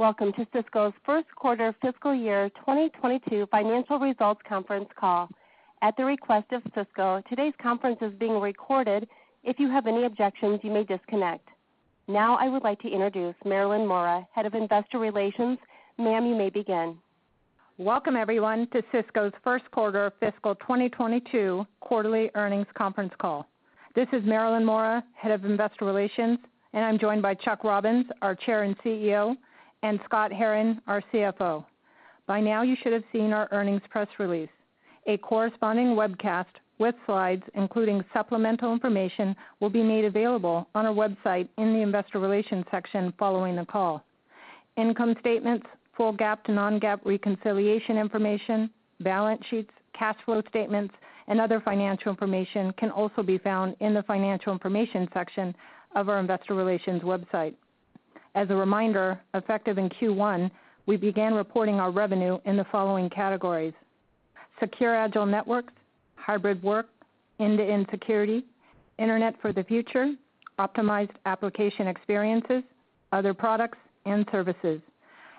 Welcome to Cisco's first quarter fiscal year 2022 financial results conference call. At the request of Cisco, today's conference is being recorded. If you have any objections, you may disconnect. Now I would like to introduce Marilyn Mora, Head of Investor Relations. Ma'am, you may begin. Welcome everyone to Cisco's first quarter fiscal 2022 quarterly earnings conference call. This is Marilyn Mora, Head of Investor Relations, and I'm joined by Chuck Robbins, our Chair and CEO, and Scott Herren, our CFO. By now you should have seen our earnings press release. A corresponding webcast with slides, including supplemental information, will be made available on our website in the investor relations section following the call. Income statements, full GAAP to non-GAAP reconciliation information, balance sheets, cash flow statements, and other financial information can also be found in the financial information section of our investor relations website. As a reminder, effective in Q1, we began reporting our revenue in the following categories: Secure, Agile Networks, Hybrid Work, End-to-End Security, Internet for the Future, Optimized Application Experiences, Other Products and Services.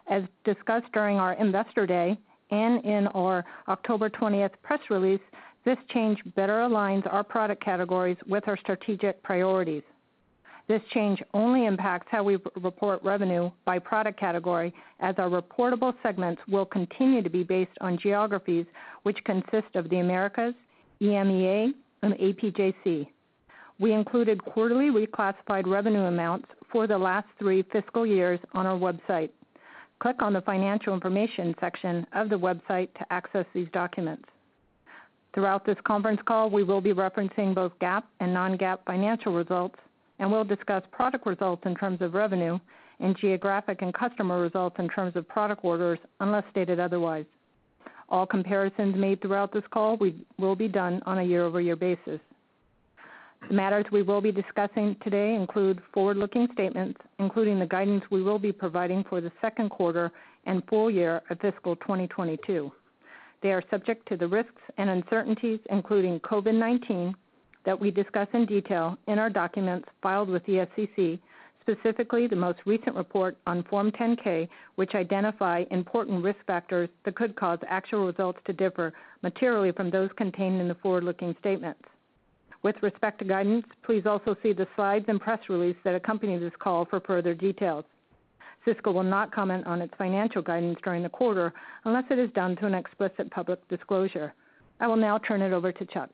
As discussed during our Investor Day and in our October 20 press release, this change better aligns our product categories with our strategic priorities. This change only impacts how we report revenue by product category, as our reportable segments will continue to be based on geographies which consist of the Americas, EMEA, and APJC. We included quarterly reclassified revenue amounts for the last three fiscal years on our website. Click on the Financial Information section of the website to access these documents. Throughout this conference call, we will be referencing both GAAP and non-GAAP financial results, and we'll discuss product results in terms of revenue and geographic and customer results in terms of product orders, unless stated otherwise. All comparisons made throughout this call will be done on a year-over-year basis. The matters we will be discussing today include forward-looking statements, including the guidance we will be providing for the second quarter and full year of fiscal 2022. They are subject to the risks and uncertainties, including COVID-19, that we discuss in detail in our documents filed with the SEC, specifically the most recent report on Form 10-K, which identify important risk factors that could cause actual results to differ materially from those contained in the forward-looking statements. With respect to guidance, please also see the slides and press release that accompany this call for further details. Cisco will not comment on its financial guidance during the quarter unless it is done through an explicit public disclosure. I will now turn it over to Chuck.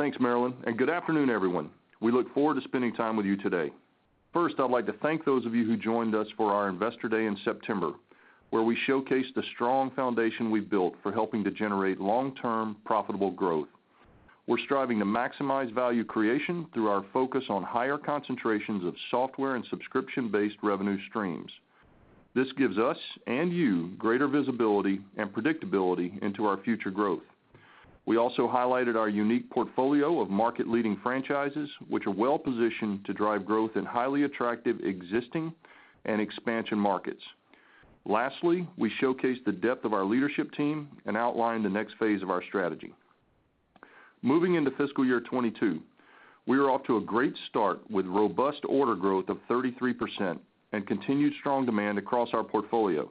Thanks, Marilyn, and good afternoon, everyone. We look forward to spending time with you today. First, I'd like to thank those of you who joined us for our Investor Day in September, where we showcased the strong foundation we've built for helping to generate long-term profitable growth. We're striving to maximize value creation through our focus on higher concentrations of software and subscription-based revenue streams. This gives us and you greater visibility and predictability into our future growth. We also highlighted our unique portfolio of market-leading franchises, which are well positioned to drive growth in highly attractive existing and expansion markets. Lastly, we showcased the depth of our leadership team and outlined the next phase of our strategy. Moving into fiscal year 2022, we are off to a great start with robust order growth of 33% and continued strong demand across our portfolio.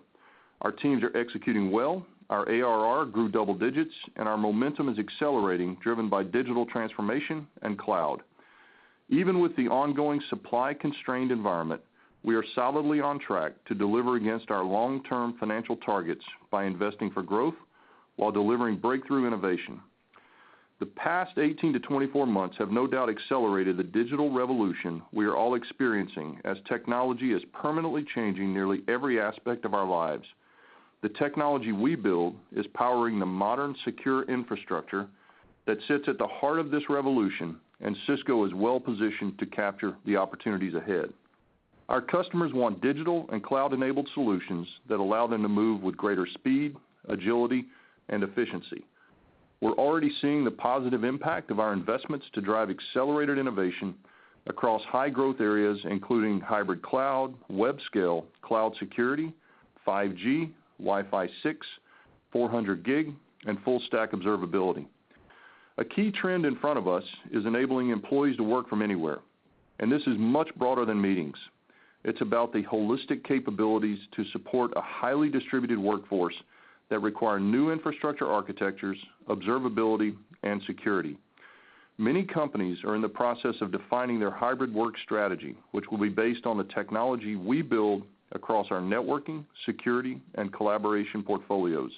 Our teams are executing well, our ARR grew double digits, and our momentum is accelerating, driven by digital transformation and cloud. Even with the ongoing supply-constrained environment, we are solidly on track to deliver against our long-term financial targets by investing for growth while delivering breakthrough innovation. The past 18 to 24 months have no doubt accelerated the digital revolution we are all experiencing, as technology is permanently changing nearly every aspect of our lives. The technology we build is powering the modern secure infrastructure that sits at the heart of this revolution, and Cisco is well positioned to capture the opportunities ahead. Our customers want digital and cloud-enabled solutions that allow them to move with greater speed, agility, and efficiency. We're already seeing the positive impact of our investments to drive accelerated innovation across high growth areas, including Hybrid Cloud, web scale, Cloud Security, 5G, Wi-Fi 6, 400G, and full stack observability. A key trend in front of us is enabling employees to work from anywhere, and this is much broader than meetings. It's about the holistic capabilities to support a highly distributed workforce that require new infrastructure architectures, observability, and security. Many companies are in the process of defining their hybrid work strategy, which will be based on the technology we build across our networking, security, and collaboration portfolios.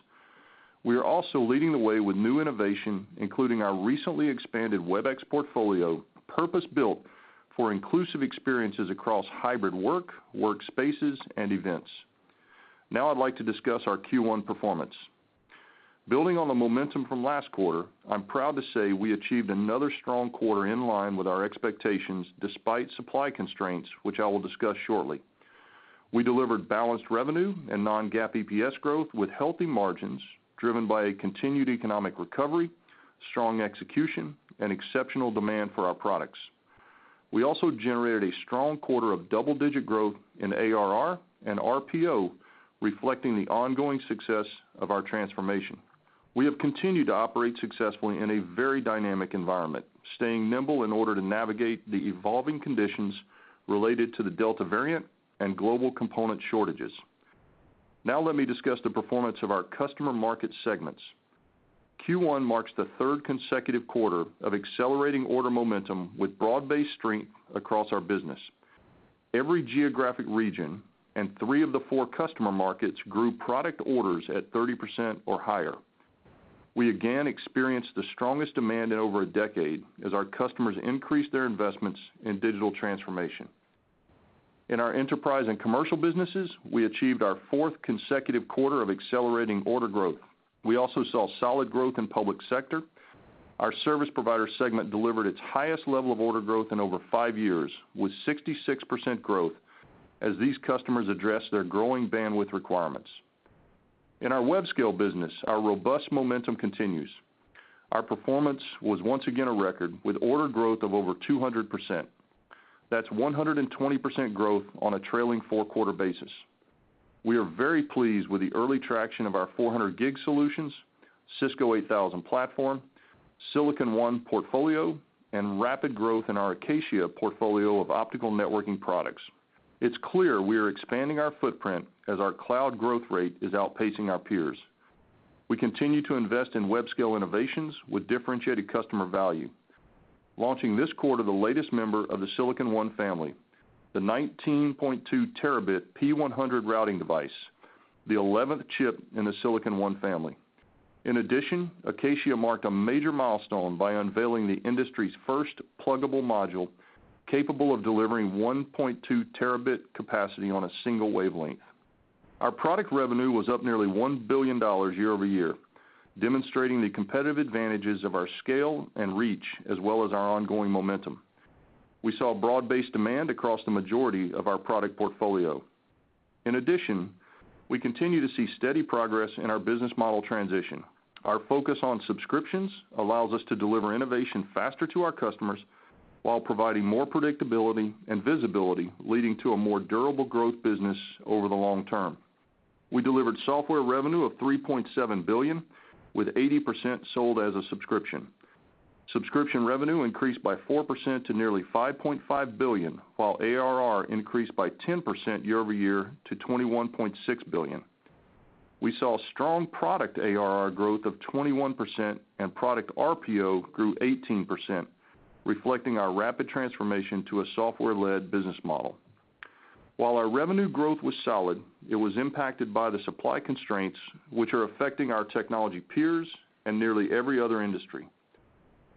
We are also leading the way with new innovation, including our recently expanded Webex portfolio, purpose-built for inclusive experiences across hybrid work, workspaces, and events. Now I'd like to discuss our Q1 performance. Building on the momentum from last quarter, I'm proud to say we achieved another strong quarter in line with our expectations, despite supply constraints, which I will discuss shortly. We delivered balanced revenue and non-GAAP EPS growth with healthy margins, driven by a continued economic recovery, strong execution, and exceptional demand for our products. We also generated a strong quarter of double-digit growth in ARR and RPO, reflecting the ongoing success of our transformation. We have continued to operate successfully in a very dynamic environment, staying nimble in order to navigate the evolving conditions related to the Delta variant and global component shortages. Now let me discuss the performance of our customer market segments. Q1 marks the third consecutive quarter of accelerating order momentum with broad-based strength across our business. Every geographic region and three of the four customer markets grew product orders at 30% or higher. We again experienced the strongest demand in over a decade as our customers increased their investments in digital transformation. In our enterprise and commercial businesses, we achieved our fourth consecutive quarter of accelerating order growth. We also saw solid growth in public sector. Our service provider segment delivered its highest level of order growth in over five years, with 66% growth as these customers address their growing bandwidth requirements. In our web scale business, our robust momentum continues. Our performance was once again a record with order growth of over 200%. That's 120% growth on a trailing four quarter basis. We are very pleased with the early traction of our 400G solutions, Cisco 8000 Platform, Silicon One portfolio, and rapid growth in our Acacia portfolio of optical networking products. It's clear we are expanding our footprint as our cloud growth rate is outpacing our peers. We continue to invest in web scale innovations with differentiated customer value, launching this quarter the latest member of the Silicon One family, the 19.2 Tb P100 routing device, the 11th chip in the Silicon One family. In addition, Acacia marked a major milestone by unveiling the industry's first pluggable module capable of delivering 1.2 Tb capacity on a single wavelength. Our product revenue was up nearly $1 billion year-over-year, demonstrating the competitive advantages of our scale and reach as well as our ongoing momentum. We saw broad-based demand across the majority of our product portfolio. In addition, we continue to see steady progress in our business model transition. Our focus on subscriptions allows us to deliver innovation faster to our customers while providing more predictability and visibility, leading to a more durable growth business over the long term. We delivered software revenue of $3.7 billion, with 80% sold as a subscription. Subscription revenue increased by 4% to nearly $5.5 billion, while ARR increased by 10% year-over-year to $21.6 billion. We saw strong product ARR growth of 21%, and product RPO grew 18%, reflecting our rapid transformation to a software-led business model. While our revenue growth was solid, it was impacted by the supply constraints which are affecting our technology peers and nearly every other industry.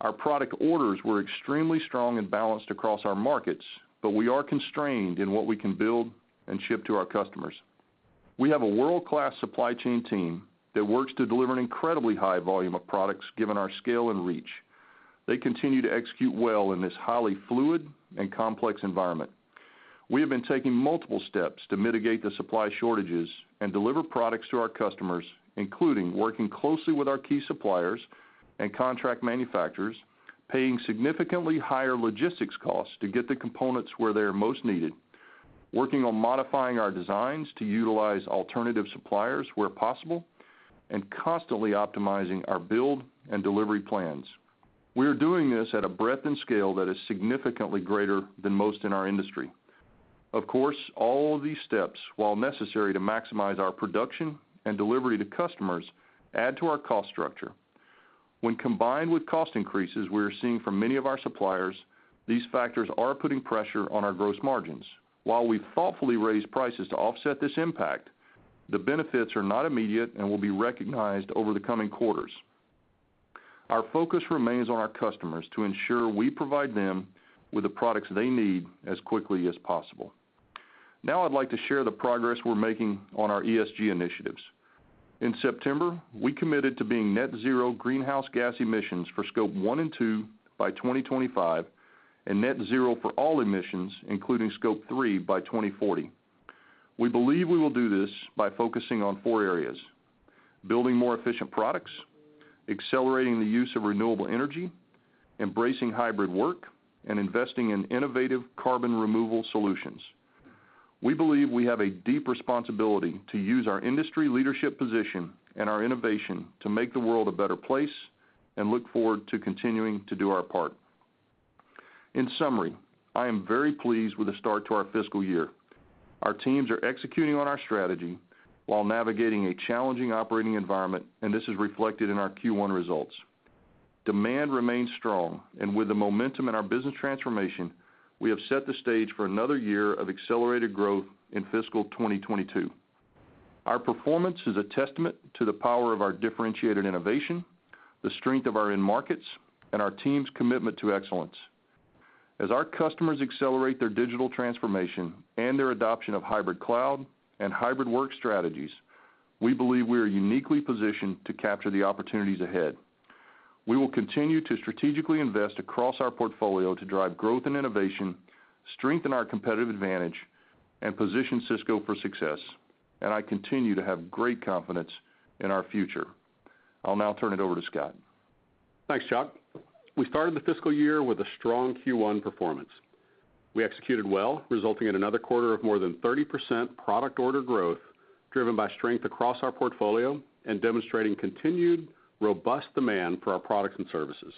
Our product orders were extremely strong and balanced across our markets, but we are constrained in what we can build and ship to our customers. We have a world-class supply chain team that works to deliver an incredibly high volume of products given our scale and reach. They continue to execute well in this highly fluid and complex environment. We have been taking multiple steps to mitigate the supply shortages and deliver products to our customers, including working closely with our key suppliers and contract manufacturers, paying significantly higher logistics costs to get the components where they are most needed, working on modifying our designs to utilize alternative suppliers where possible, and constantly optimizing our build and delivery plans. We are doing this at a breadth and scale that is significantly greater than most in our industry. Of course, all of these steps, while necessary to maximize our production and delivery to customers, add to our cost structure. When combined with cost increases we are seeing from many of our suppliers, these factors are putting pressure on our gross margins. While we thoughtfully raise prices to offset this impact, the benefits are not immediate and will be recognized over the coming quarters. Our focus remains on our customers to ensure we provide them with the products they need as quickly as possible. Now I'd like to share the progress we're making on our ESG initiatives. In September, we committed to being net zero greenhouse gas emissions for Scope 1 and 2 by 2025 and net zero for all emissions, including Scope 3, by 2040. We believe we will do this by focusing on four areas: building more efficient products, accelerating the use of renewable energy, embracing hybrid work, and investing in innovative carbon removal solutions. We believe we have a deep responsibility to use our industry leadership position and our innovation to make the world a better place and look forward to continuing to do our part. In summary, I am very pleased with the start to our fiscal year. Our teams are executing on our strategy while navigating a challenging operating environment, and this is reflected in our Q1 results. Demand remains strong and with the momentum in our business transformation, we have set the stage for another year of accelerated growth in fiscal 2022. Our performance is a testament to the power of our differentiated innovation, the strength of our end markets, and our team's commitment to excellence. As our customers accelerate their digital transformation and their adoption of Hybrid Cloud and Hybrid Work strategies, we believe we are uniquely positioned to capture the opportunities ahead. We will continue to strategically invest across our portfolio to drive growth and innovation, strengthen our competitive advantage, and position Cisco for success, and I continue to have great confidence in our future. I'll now turn it over to Scott. Thanks, Chuck. We started the fiscal year with a strong Q1 performance. We executed well, resulting in another quarter of more than 30% product order growth, driven by strength across our portfolio and demonstrating continued robust demand for our products and services.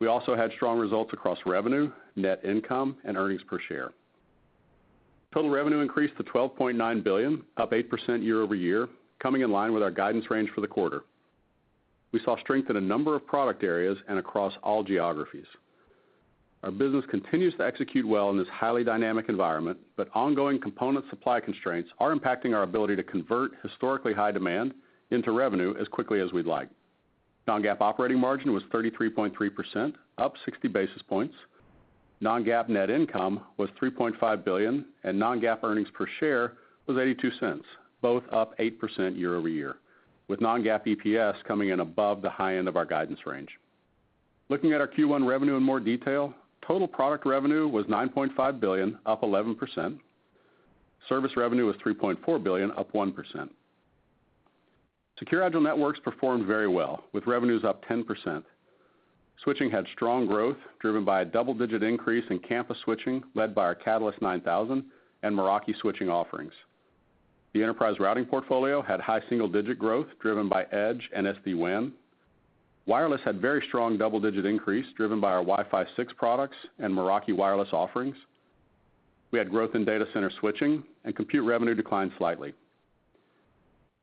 We also had strong results across revenue, net income, and earnings per share. Total revenue increased to $12.9 billion, up 8% year-over-year, coming in line with our guidance range for the quarter. We saw strength in a number of product areas and across all geographies. Our business continues to execute well in this highly dynamic environment, but ongoing component supply constraints are impacting our ability to convert historically high demand into revenue as quickly as we'd like. Non-GAAP operating margin was 33.3%, up 60 basis points. Non-GAAP net income was $3.5 billion, and non-GAAP earnings per share was $0.82, both up 8% year-over-year, with non-GAAP EPS coming in above the high end of our guidance range. Looking at our Q1 revenue in more detail, total product revenue was $9.5 billion, up 11%. Service revenue was $3.4 billion, up 1%. Secure, Agile Networks performed very well, with revenues up 10%. Switching had strong growth, driven by a double-digit increase in campus switching led by our Catalyst 9000 and Meraki switching offerings. The enterprise routing portfolio had high single-digit growth, driven by Edge and SD-WAN. Wireless had very strong double-digit increase, driven by our Wi-Fi 6 products and Meraki wireless offerings. We had growth in data center switching and compute revenue declined slightly.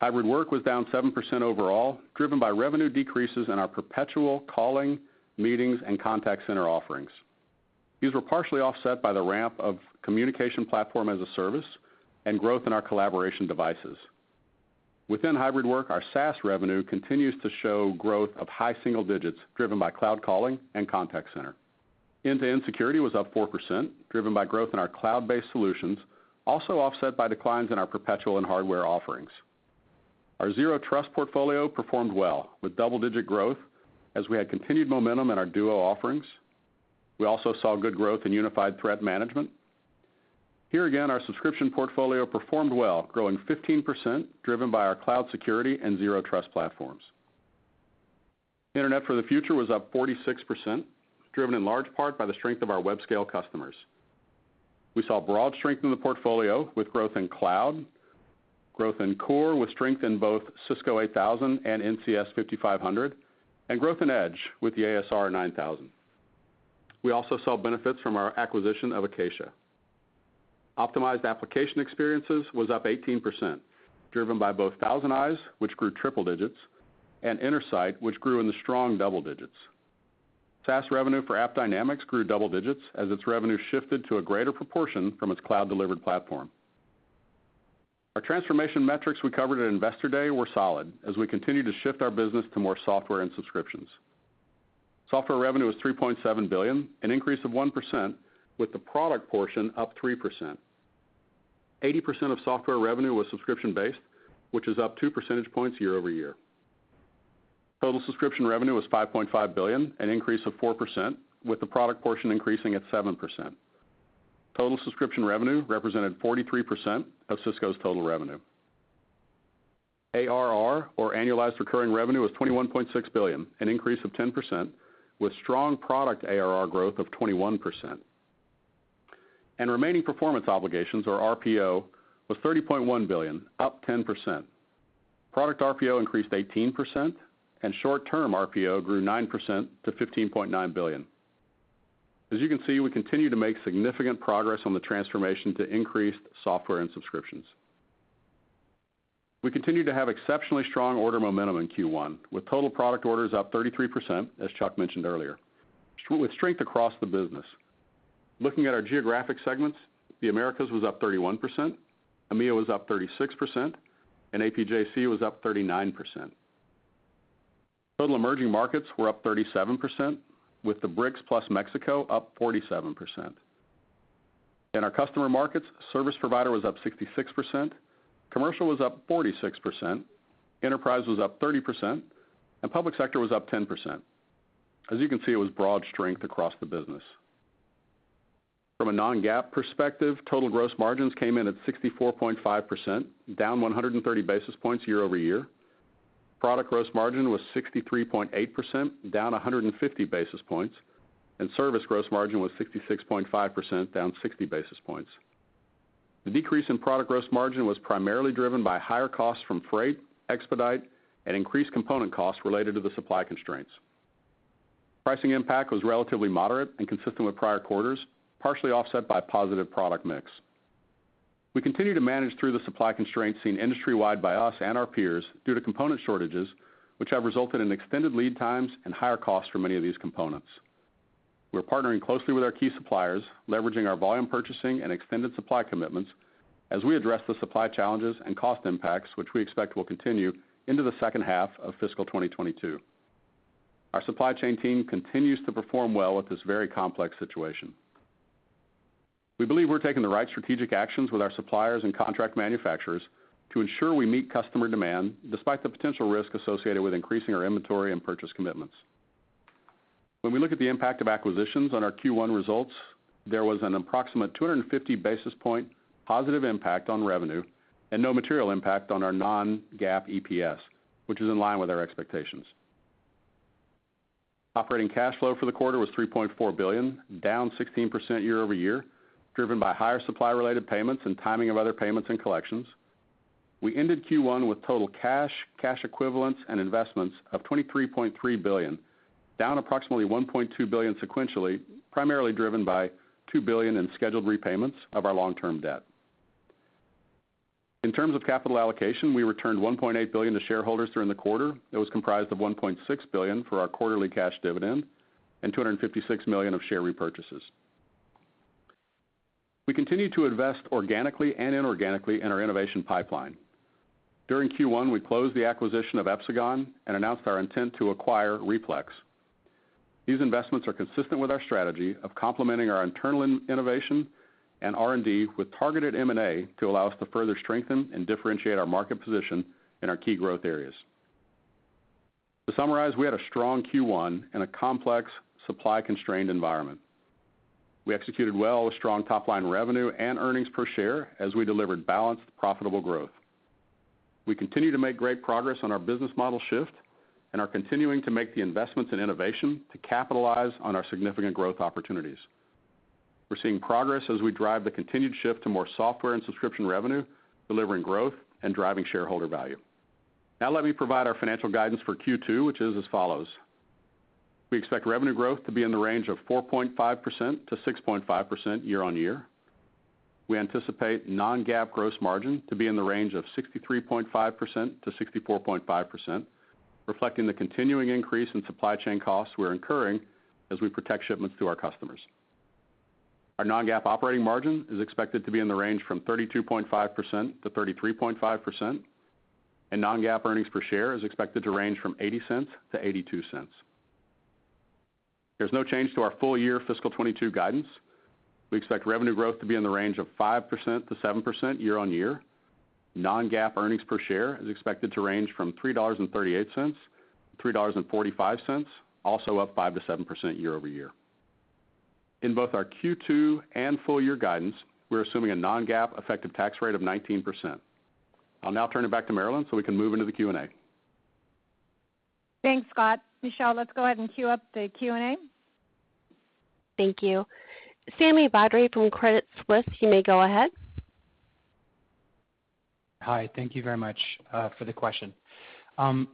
Hybrid Work was down 7% overall, driven by revenue decreases in our perpetual calling, meetings, and contact center offerings. These were partially offset by the ramp of Communication Platform as a Service and growth in our collaboration devices. Within Hybrid Work, our SaaS revenue continues to show growth of high single digits, driven by cloud calling and contact center. End-to-end security was up 4%, driven by growth in our cloud-based solutions, also offset by declines in our perpetual and hardware offerings. Our Zero Trust portfolio performed well with double-digit growth as we had continued momentum in our Duo offerings. We also saw good growth in Unified Threat Management. Here again, our subscription portfolio performed well, growing 15%, driven by our Cloud Security and Zero Trust platforms. Internet for the Future was up 46%, driven in large part by the strength of our web-scale customers. We saw broad strength in the portfolio with growth in cloud, growth in core, with strength in both Cisco 8000 and NCS 5500, and growth in Edge with the ASR 9000. We also saw benefits from our acquisition of Acacia. Optimized application experiences was up 18%, driven by both ThousandEyes, which grew triple-digits, and Intersight, which grew in the strong double-digits. SaaS revenue for AppDynamics grew double digits as its revenue shifted to a greater proportion from its cloud delivered platform. Our transformation metrics we covered at Investor Day were solid as we continue to shift our business to more software and subscriptions. Software revenue was $3.7 billion, an increase of 1%, with the product portion up 3%. 80% of software revenue was subscription-based, which is up 2 percentage points year-over-year. Total subscription revenue was $5.5 billion, an increase of 4%, with the product portion increasing at 7%. Total subscription revenue represented 43% of Cisco's total revenue. ARR, or annualized recurring revenue, was $21.6 billion, an increase of 10%, with strong product ARR growth of 21%. Remaining performance obligations, or RPO, was $30.1 billion, up 10%. Product RPO increased 18%, and short-term RPO grew 9% to $15.9 billion. As you can see, we continue to make significant progress on the transformation to increased software and subscriptions. We continue to have exceptionally strong order momentum in Q1, with total product orders up 33%, as Chuck mentioned earlier, with strength across the business. Looking at our geographic segments, the Americas was up 31%, EMEA was up 36%, and APJC was up 39%. Total emerging markets were up 37%, with the BRICS plus Mexico up 47%. In our customer markets, service provider was up 66%, commercial was up 46%, enterprise was up 30%, and public sector was up 10%. As you can see, it was broad strength across the business. From a non-GAAP perspective, total gross margins came in at 64.5%, down 130 basis points year-over-year. Product gross margin was 63.8%, down 150 basis points, and service gross margin was 66.5%, down 60 basis points. The decrease in product gross margin was primarily driven by higher costs from freight, expedite, and increased component costs related to the supply constraints. Pricing impact was relatively moderate and consistent with prior quarters, partially offset by positive product mix. We continue to manage through the supply constraints seen industry-wide by us and our peers due to component shortages, which have resulted in extended lead times and higher costs for many of these components. We're partnering closely with our key suppliers, leveraging our volume purchasing and extended supply commitments as we address the supply challenges and cost impacts, which we expect will continue into the second half of fiscal 2022. Our supply chain team continues to perform well with this very complex situation. We believe we're taking the right strategic actions with our suppliers and contract manufacturers to ensure we meet customer demand despite the potential risk associated with increasing our inventory and purchase commitments. When we look at the impact of acquisitions on our Q1 results, there was an approximate 250 basis points positive impact on revenue and no material impact on our non-GAAP EPS, which is in line with our expectations. Operating cash flow for the quarter was $3.4 billion, down 16% year-over-year, driven by higher supply related payments and timing of other payments and collections. We ended Q1 with total cash equivalents and investments of $23.3 billion, down approximately $1.2 billion sequentially, primarily driven by $2 billion in scheduled repayments of our long-term debt. In terms of capital allocation, we returned $1.8 billion to shareholders during the quarter. That was comprised of $1.6 billion for our quarterly cash dividend and $256 million of share repurchases. We continue to invest organically and inorganically in our innovation pipeline. During Q1, we closed the acquisition of Epsagon and announced our intent to acquire replex. These investments are consistent with our strategy of complementing our internal innovation and R&D with targeted M&A to allow us to further strengthen and differentiate our market position in our key growth areas. To summarize, we had a strong Q1 in a complex supply constrained environment. We executed well with strong top line revenue and earnings per share as we delivered balanced, profitable growth. We continue to make great progress on our business model shift and are continuing to make the investments in innovation to capitalize on our significant growth opportunities. We're seeing progress as we drive the continued shift to more software and subscription revenue, delivering growth and driving shareholder value. Now let me provide our financial guidance for Q2, which is as follows. We expect revenue growth to be in the range of 4.5%-6.5% year-on-year. We anticipate non-GAAP gross margin to be in the range of 63.5%-64.5%, reflecting the continuing increase in supply chain costs we're incurring as we protect shipments to our customers. Our non-GAAP operating margin is expected to be in the range from 32.5%-33.5%, and non-GAAP earnings per share is expected to range from $0.80-$0.82. There's no change to our full year fiscal 2022 guidance. We expect revenue growth to be in the range of 5%-7% year-over-year. Non-GAAP earnings per share is expected to range from $3.38-$3.45, also up 5%-7% year-over-year. In both our Q2 and full year guidance, we're assuming a non-GAAP effective tax rate of 19%. I'll now turn it back to Marilyn, so we can move into the Q&A. Thanks, Scott. Michelle, let's go ahead and queue up the Q&A. Thank you. Sami Badri from Credit Suisse, you may go ahead. Hi, thank you very much for the question.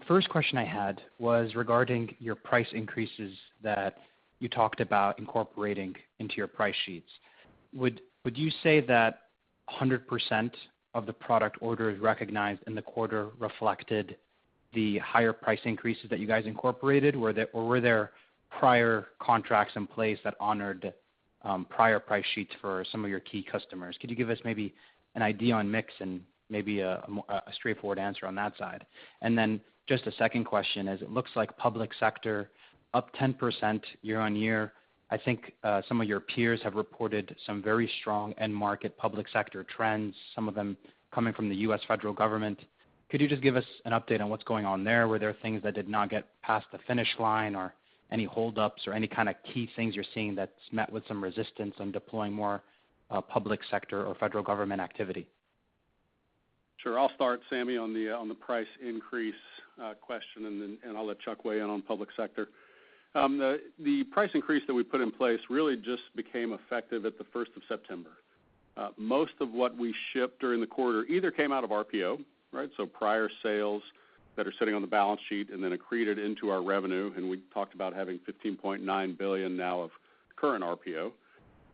First question I had was regarding your price increases that you talked about incorporating into your price sheets. Would you say that 100% of the product orders recognized in the quarter reflected the higher price increases that you guys incorporated? Were there prior contracts in place that honored prior price sheets for some of your key customers? Could you give us maybe an idea on mix and maybe a more straightforward answer on that side? And then just a second question, as it looks like public sector up 10% year-over-year. I think some of your peers have reported some very strong end market public sector trends, some of them coming from the U.S. federal government. Could you just give us an update on what's going on there? Were there things that did not get past the finish line or any hold ups or any kind of key things you're seeing that's met with some resistance on deploying more, public sector or federal government activity? Sure. I'll start, Sami, on the price increase question, and then I'll let Chuck weigh in on public sector. The price increase that we put in place really just became effective at the 1st of September. Most of what we shipped during the quarter either came out of RPO, right? So prior sales that are sitting on the balance sheet and then accreted into our revenue, and we talked about having $15.9 billion now of current RPO.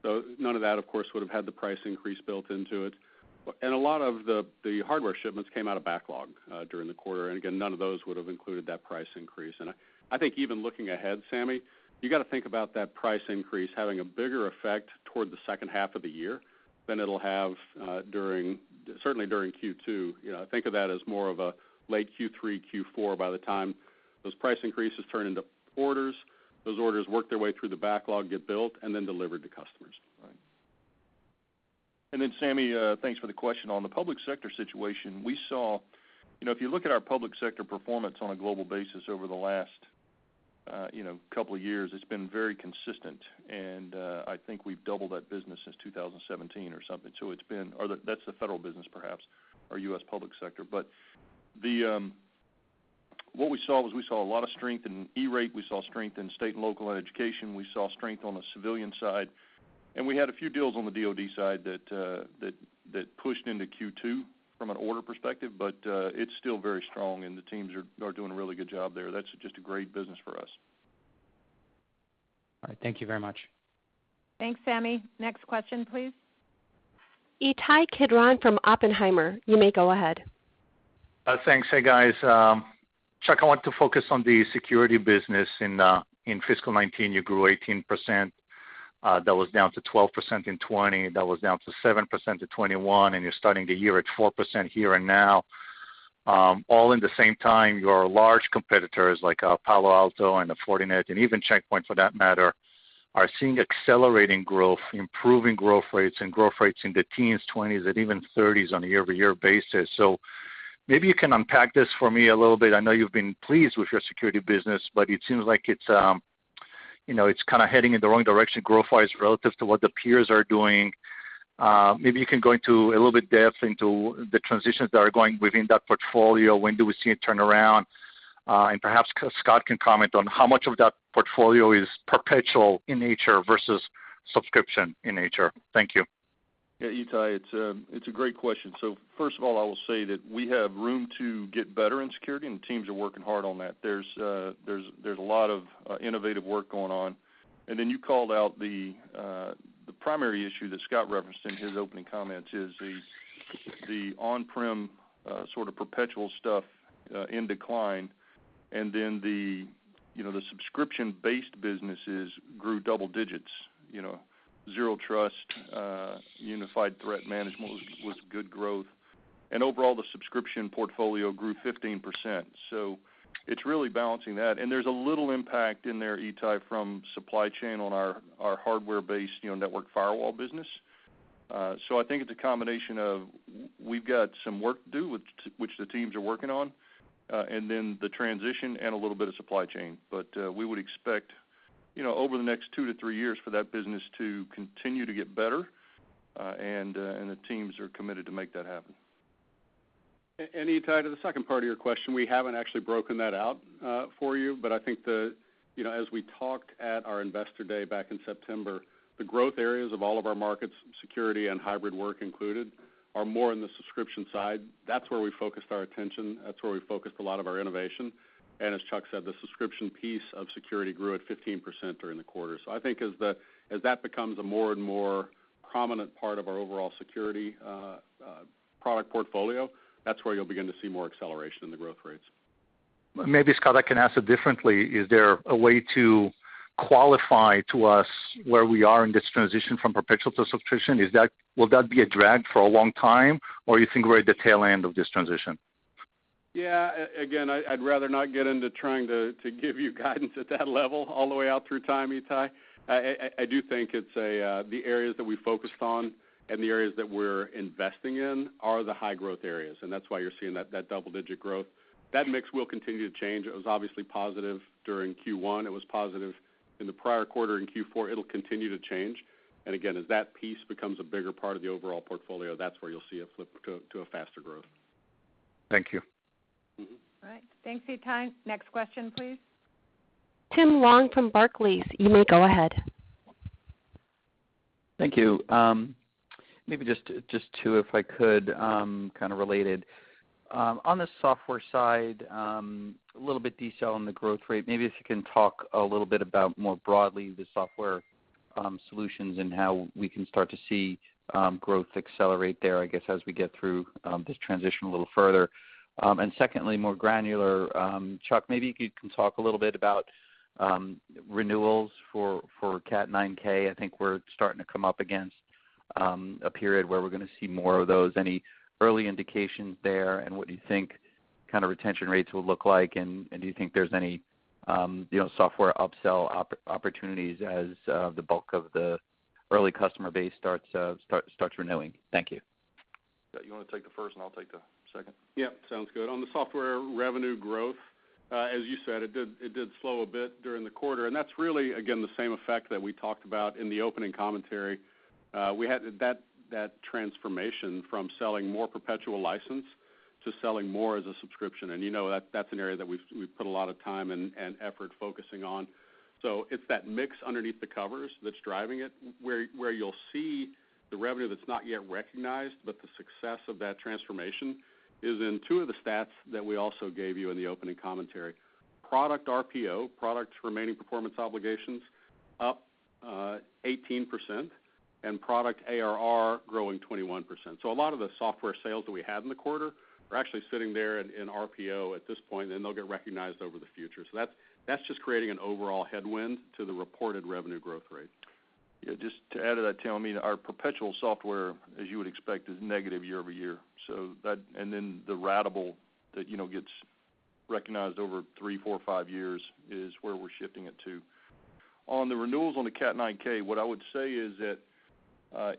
So none of that, of course, would have had the price increase built into it. A lot of the hardware shipments came out of backlog during the quarter, and again, none of those would have included that price increase. I think even looking ahead, Sami, you got to think about that price increase having a bigger effect toward the second half of the year than it'll have during, certainly during Q2. You know, think of that as more of a late Q3, Q4 by the time those price increases turn into orders, those orders work their way through the backlog, get built, and then delivered to customers. And then, Sami, thanks for the question. On the public sector situation, we saw. You know, if you look at our public sector performance on a global basis over the last, you know, couple of years, it's been very consistent. And I think we've doubled that business since 2017 or something. It's been—that's the federal business, perhaps, our U.S. public sector. But the—what we saw was we saw a lot of strength in E-rate, we saw strength in state and local education, we saw strength on the civilian side, and we had a few deals on the DoD side that pushed into Q2 from an order perspective. But It's still very strong, and the teams are doing a really good job there. That's just a great business for us. All right. Thank you very much. Thanks, Sami. Next question, please. Ittai Kidron from Oppenheimer, you may go ahead. Thanks. Hey, guys. Chuck, I want to focus on the security business. In fiscal 2019, you grew 18%. That was down to 12% in 2020. That was down to 7% to 2021, and you're starting the year at 4% here and now. All in the same time, your large competitors like Palo Alto and Fortinet and even Check Point for that matter are seeing accelerating growth, improving growth rates and growth rates in the teens, 20s and even 30s on a year-over-year basis. Maybe you can unpack this for me a little bit. I know you've been pleased with your security business, but it seems like it's you know it's kinda heading in the wrong direction growth-wise, relative to what the peers are doing. Maybe you can go into a little bit of depth into the transitions that are going within that portfolio. When do we see it turn around? Perhaps Scott can comment on how much of that portfolio is perpetual in nature versus subscription in nature. Thank you. Yeah, Ittai, it's a great question. First of all, I will say that we have room to get better in security, and the teams are working hard on that. There's a lot of innovative work going on. You called out the primary issue that Scott referenced in his opening comments is the on-prem sort of perpetual stuff in decline. The subscription-based businesses grew double-digits. You know, Zero Trust, Unified Threat Management was good growth. Overall, the subscription portfolio grew 15%. It's really balancing that. There's a little impact in there, Ittai, from supply chain on our hardware-based you know, network firewall business. I think it's a combination of we've got some work to do, which the teams are working on, and then the transition and a little bit of supply chain. But we would expect, you know, over the next two to three years for that business to continue to get better, and the teams are committed to make that happen. Ittai, to the second part of your question, we haven't actually broken that out for you, but I think you know, as we talked at our Investor Day back in September, the growth areas of all of our markets, Security and Hybrid Work included, are more in the subscription side. That's where we focused our attention, that's where we focused a lot of our innovation. As Chuck said, the subscription piece of security grew at 15% during the quarter. I think as that becomes a more and more prominent part of our overall security product portfolio, that's where you'll begin to see more acceleration in the growth rates. Maybe, Scott, I can ask it differently. Is there a way to quantify for us where we are in this transition from perpetual to subscription? Will that be a drag for a long time, or you think we're at the tail end of this transition? Yeah. Again, I'd rather not get into trying to give you guidance at that level all the way out through time, Ittai. I do think it's the areas that we focused on and the areas that we're investing in are the high growth areas, and that's why you're seeing that double-digit growth. That mix will continue to change. It was obviously positive during Q1. It was positive in the prior quarter in Q4. It'll continue to change. Again, as that piece becomes a bigger part of the overall portfolio, that's where you'll see a flip to a faster growth. Thank you. Mm-hmm. All right. Thanks, Ittai. Next question, please. Tim Long from Barclays, you may go ahead. Thank you. Maybe just two, if I could, kind of related. On the software side, a little bit detail on the growth rate. Maybe if you can talk a little bit about more broadly the software solutions and how we can start to see growth accelerate there, I guess, as we get through this transition a little further. And secondly, more granular, Chuck, maybe you can talk a little bit about renewals for Catalyst 9000. I think we're starting to come up against a period where we're gonna see more of those. Any early indications there, and what do you think kind of retention rates will look like, and do you think there's any, you know, software upsell opportunities as the bulk of the early customer base starts renewing? Thank you. Yeah, you wanna take the first and I'll take the second? Yeah, sounds good. On the software revenue growth, as you said, it did slow a bit during the quarter, and that's really, again, the same effect that we talked about in the opening commentary. We had that transformation from selling more perpetual license to selling more as a subscription. You know that's an area that we've put a lot of time and effort focusing on. It's that mix underneath the covers that's driving it, where you'll see the revenue that's not yet recognized, but the success of that transformation is in two of the stats that we also gave you in the opening commentary. Product RPO, Product Remaining Performance Obligations, up 18%, and product ARR growing 21%. So a lot of the software sales that we had in the quarter are actually sitting there in RPO at this point, and they'll get recognized over the future. That's just creating an overall headwind to the reported revenue growth rate. Yeah, just to add to that, Tim, I mean, our perpetual software, as you would expect, is negative year-over-year. The ratable that, you know, gets recognized over three, four, five years is where we're shifting it to. On the renewals on the Cat 9000, what I would say is that,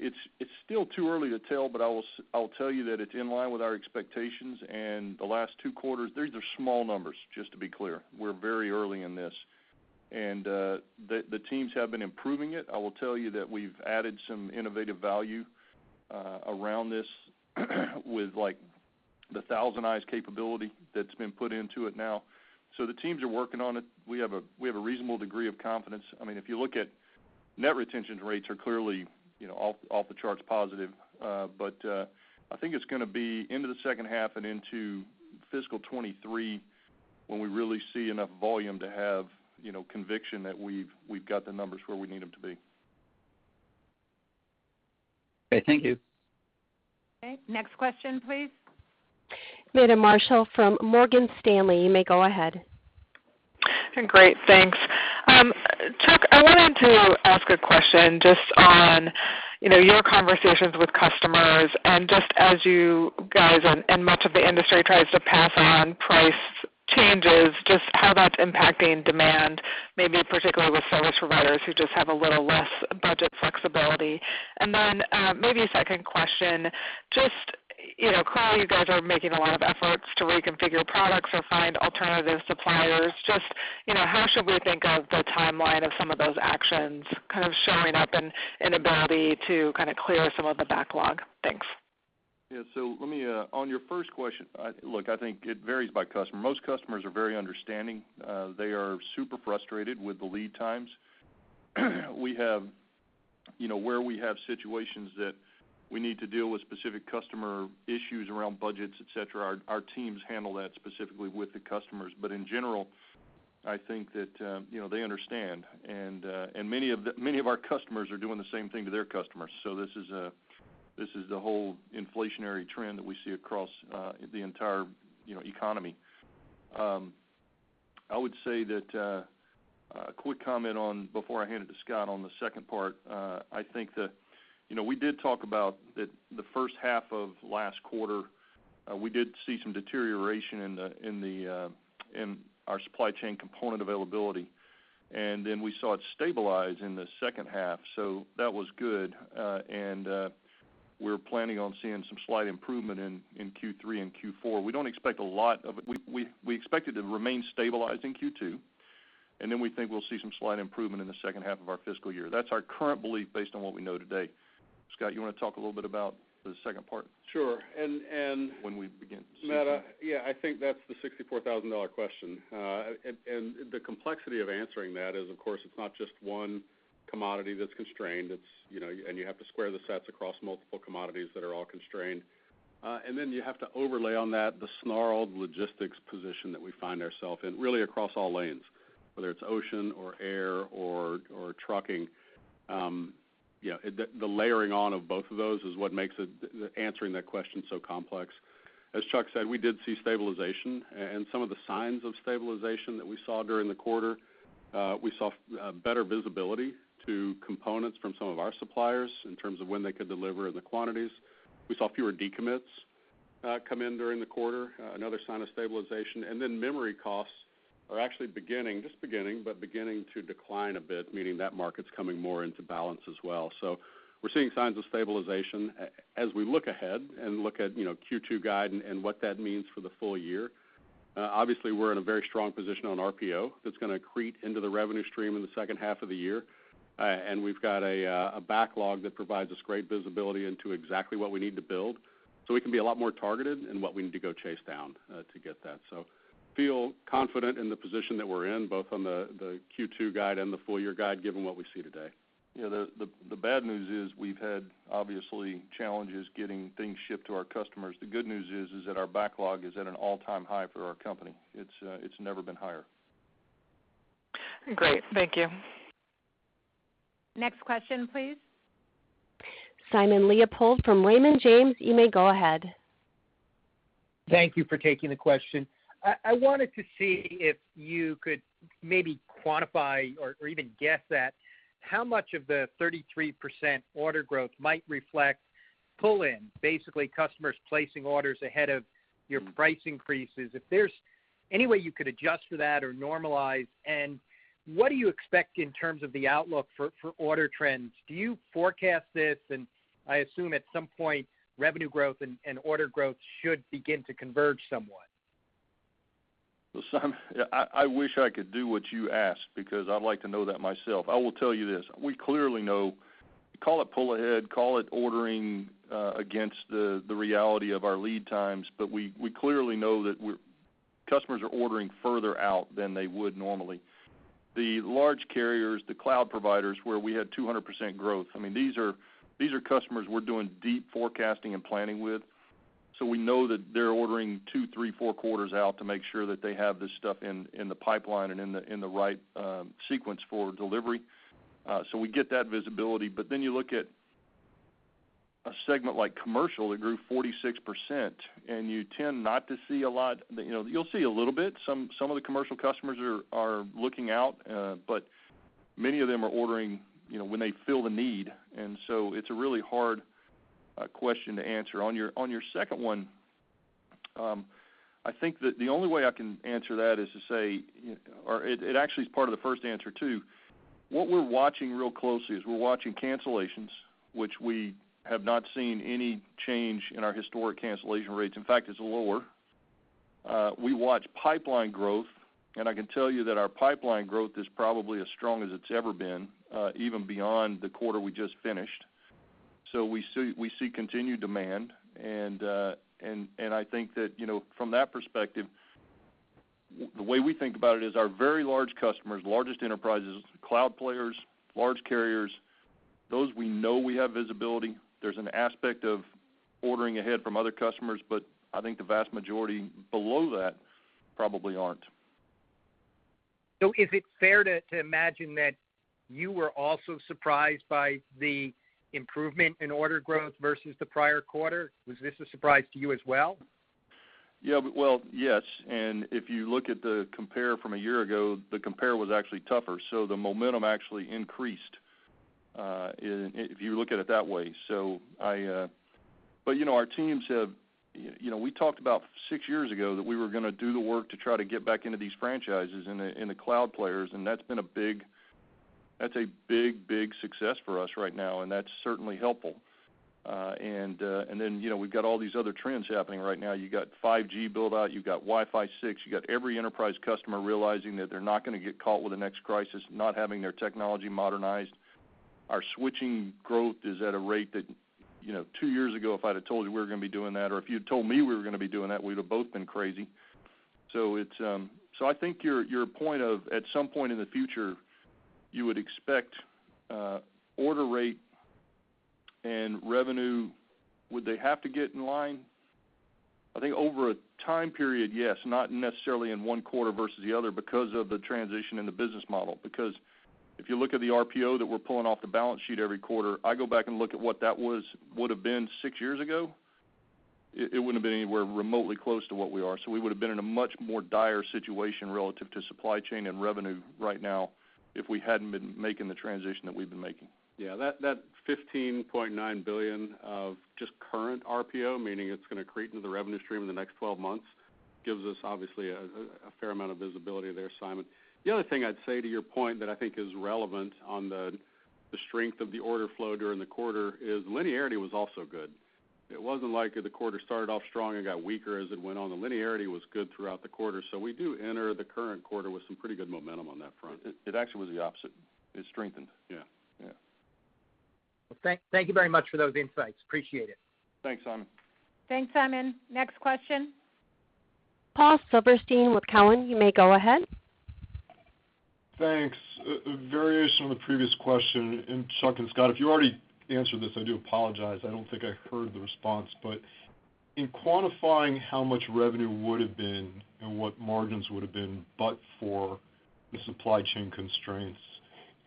it's still too early to tell, but I'll tell you that it's in line with our expectations and the last two quarters. These are small numbers, just to be clear. We're very early in this. The teams have been improving it. I will tell you that we've added some innovative value around this with, like, the ThousandEyes capability that's been put into it now. The teams are working on it. We have a reasonable degree of confidence. I mean, if you look at net retention rates are clearly, you know, off the charts positive. But I think it's gonna be into the second half and into fiscal 2023 when we really see enough volume to have, you know, conviction that we've got the numbers where we need them to be. Okay, thank you. Okay, next question, please. Meta Marshall from Morgan Stanley, you may go ahead. Great. Thanks. Chuck, I wanted to ask a question just on, you know, your conversations with customers and just as you guys and much of the industry tries to pass on price changes, just how that's impacting demand, maybe particularly with service providers who just have a little less budget flexibility. Maybe a second question, just, you know, clearly, you guys are making a lot of efforts to reconfigure products or find alternative suppliers. Just, you know, how should we think of the timeline of some of those actions kind of showing up in ability to kind of clear some of the backlog? Thanks. On your first question, look, I think it varies by customer. Most customers are very understanding. They are super frustrated with the lead times. We have where we have situations that we need to deal with specific customer issues around budgets, et cetera, our teams handle that specifically with the customers. But in general, I think that they understand. Many of our customers are doing the same thing to their customers. This is the whole inflationary trend that we see across the entire economy. I would say that a quick comment on before I hand it to Scott on the second part. I think that, you know, we did talk about that the first half of last quarter, we did see some deterioration in our supply chain component availability. Then we saw it stabilize in the second half, so that was good. And we're planning on seeing some slight improvement in Q3 and Q4. We don't expect a lot of it. We expect it to remain stabilized in Q2, and then we think we'll see some slight improvement in the second half of our fiscal year. That's our current belief based on what we know today. Scott, you wanna talk a little bit about the second part? Sure. When we begin to see— Matt, I think that's the $64,000 question. And the complexity of answering that is, of course, it's not just one commodity that's constrained. It's, you know, and you have to square the sets across multiple commodities that are all constrained. And then you have to overlay on that the snarled logistics position that we find ourselves in, really across all lanes, whether it's ocean or air or trucking. The layering on of both of those is what makes answering that question so complex. As Chuck said, we did see stabilization, and some of the signs of stabilization that we saw during the quarter, we saw better visibility to components from some of our suppliers in terms of when they could deliver and the quantities. We saw fewer decommits come in during the quarter, another sign of stabilization. And then memory costs are actually beginning—just beginning, but beginning to decline a bit, meaning that market's coming more into balance as well. S we're seeing signs of stabilization. As we look ahead and look at, you know, Q2 guide and what that means for the full year, obviously, we're in a very strong position on RPO that's gonna accrete into the revenue stream in the second half of the year. We've got a backlog that provides us great visibility into exactly what we need to build, so we can be a lot more targeted in what we need to go chase down to get that. So feel confident in the position that we're in, both on the Q2 guide and the full year guide, given what we see today. Yeah. The bad news is we've had, obviously, challenges getting things shipped to our customers. The good news is that our backlog is at an all-time high for our company. It's never been higher. Great. Thank you. Next question, please. Simon Leopold from Raymond James, you may go ahead. Thank you for taking the question. I wanted to see if you could maybe quantify or even guess at how much of the 33% order growth might reflect pull-in, basically customers placing orders ahead of your price increases. If there's any way you could adjust for that or normalize, and what do you expect in terms of the outlook for order trends? Do you forecast this? I assume at some point, revenue growth and order growth should begin to converge somewhat. Well, Simon, yeah, I wish I could do what you ask because I'd like to know that myself. I will tell you this, we clearly know, call it pull ahead, call it ordering against the reality of our lead times, but we clearly know that customers are ordering further out than they would normally. The large carriers, the cloud providers, where we had 200% growth, I mean, these are customers we're doing deep forecasting and planning with. So we know that they're ordering two, three, four quarters out to make sure that they have this stuff in the pipeline and in the right sequence for delivery. So we get that visibility. But then you look at a segment like commercial that grew 46%, and you tend not to see a lot, you know, you'll see a little bit. Some of the commercial customers are looking out, but many of them are ordering, you know, when they feel the need. It's a really hard question to answer. On your second one, I think that the only way I can answer that is to say, or it actually is part of the first answer, too. What we're watching real closely is cancellations, which we have not seen any change in our historic cancellation rates. In fact, it's lower. We watch pipeline growth, and I can tell you that our pipeline growth is probably as strong as it's ever been, even beyond the quarter we just finished. So we see continued demand. And I think that, you know, from that perspective, the way we think about it is our very large customers, largest enterprises, cloud players, large carriers, those we know we have visibility. There's an aspect of ordering ahead from other customers, but I think the vast majority below that probably aren't. Is it fair to imagine that you were also surprised by the improvement in order growth versus the prior quarter? Was this a surprise to you as well? Yeah. Well, yes. And if you look at the compare from a year ago, the compare was actually tougher, so the momentum actually increased. If you look at it that way. Our teams have, you know, we talked about six years ago that we were gonna do the work to try to get back into these franchises and the cloud players, and that's been a big—that's a big, big success for us right now, and that's certainly helpful. And then, you know, we've got all these other trends happening right now. You got 5G build-out, you've got Wi-Fi 6, you got every enterprise customer realizing that they're not gonna get caught with the next crisis, not having their technology modernized. Our switching growth is at a rate that, you know, two years ago, if I'd have told you we were gonna be doing that, or if you'd told me we were gonna be doing that, we'd have both been crazy. So it's—I think your point is, at some point in the future, you would expect order rate and revenue, would they have to get in line? I think over a time period, yes, not necessarily in one quarter versus the other because of the transition in the business model. Because if you look at the RPO that we're pulling off the balance sheet every quarter, I go back and look at what that was would have been six years ago, it wouldn't have been anywhere remotely close to what we are. We would have been in a much more dire situation relative to supply chain and revenue right now if we hadn't been making the transition that we've been making. Yeah, that $15.9 billion of just current RPO, meaning it's gonna convert into the revenue stream in the next 12 months, gives us obviously a fair amount of visibility there, Simon. The other thing I'd say to your point that I think is relevant on the strength of the order flow during the quarter is linearity was also good. It wasn't like the quarter started off strong and got weaker as it went on. The linearity was good throughout the quarter. We do enter the current quarter with some pretty good momentum on that front. It actually was the opposite. It strengthened. Yeah. Yeah. Well, thank you very much for those insights. Appreciate it. Thanks, Simon. Thanks, Simon. Next question. Paul Silverstein with Cowen, you may go ahead. Thanks. A variation on the previous question. Chuck and Scott, if you already answered this, I do apologize. I don't think I heard the response. In quantifying how much revenue would have been and what margins would have been, but for the supply chain constraints,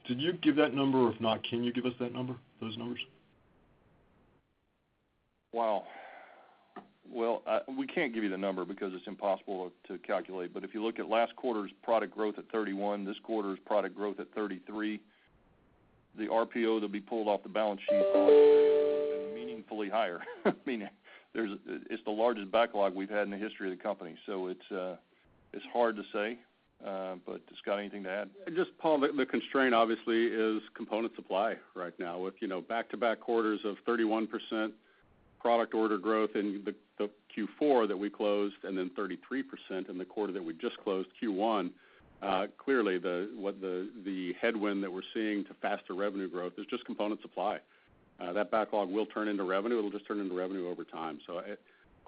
did you give that number? If not, can you give us that number, those numbers? Wow. Well, we can't give you the number because it's impossible to calculate. If you look at last quarter's product growth at 31%, this quarter's product growth at 33%, the RPO that'll be pulled off the balance sheet meaningfully higher. I mean, there's. It's the largest backlog we've had in the history of the company. It's hard to say, but Scott, anything to add? Just, Paul, the constraint, obviously, is component supply right now. With you know, back-to-back quarters of 31% product order growth in the Q4 that we closed and then 33% in the quarter that we just closed, Q1, clearly, what the headwind that we're seeing to faster revenue growth is just component supply. That backlog will turn into revenue. It'll just turn into revenue over time.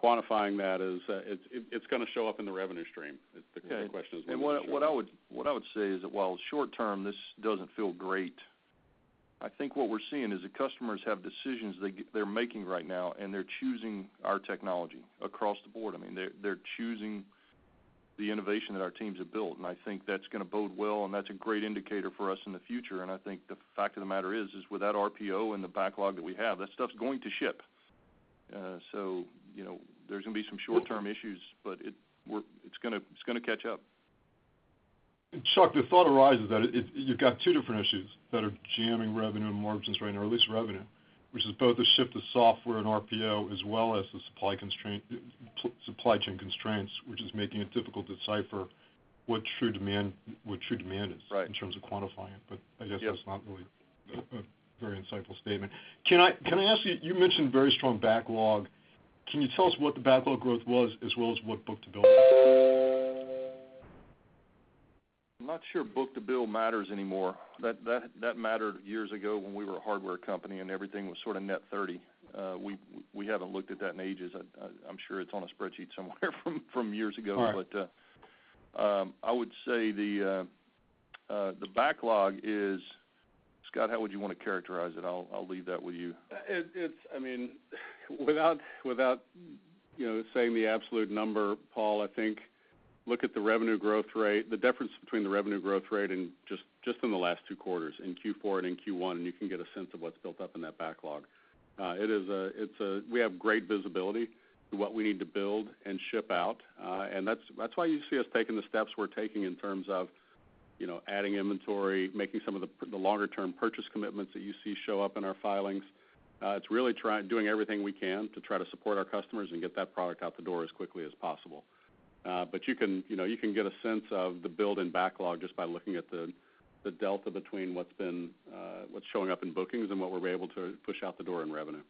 Quantifying that is, it's gonna show up in the revenue stream. The question is when it will show. What I would say is that while short-term, this doesn't feel great. I think what we're seeing is that customers have decisions they're making right now, and they're choosing our technology across the board. I mean, they're choosing the innovation that our teams have built, and I think that's gonna bode well, and that's a great indicator for us in the future. I think the fact of the matter is with that RPO and the backlog that we have, that stuff's going to ship. So, you know, there's gonna be some short-term issues, but it's gonna catch up. Chuck, the thought arises that you've got two different issues that are jamming revenue and margins right now, or at least revenue, which is both the shift to software and RPO as well as the supply constraint, supply chain constraints, which is making it difficult to decipher what true demand is— Right. —in terms of quantifying. But I guess— Yes. —that's not really a very insightful statement. Can I ask you—you mentioned very strong backlog. Can you tell us what the backlog growth was as well as what book-to-bill was? I'm not sure book-to-bill matters anymore. That mattered years ago when we were a hardware company and everything was sort of net 30. We haven't looked at that in ages. I'm sure it's on a spreadsheet somewhere from years ago. All right. I would say the backlog is—Scott, how would you wanna characterize it? I'll leave that with you. It's—I mean, without you know, saying the absolute number, Paul, I think look at the revenue growth rate, the difference between the revenue growth rate and just in the last two quarters, in Q4 and in Q1, and you can get a sense of what's built up in that backlog. It's a—we have great visibility to what we need to build and ship out. And that's why you see us taking the steps we're taking in terms of, you know, adding inventory, making some of the longer-term purchase commitments that you see show up in our filings. It's really doing everything we can to try to support our customers and get that product out the door as quickly as possible. But, you can, you know, you can get a sense of the build and backlog just by looking at the delta between what's showing up in bookings and what we're able to push out the door in revenue.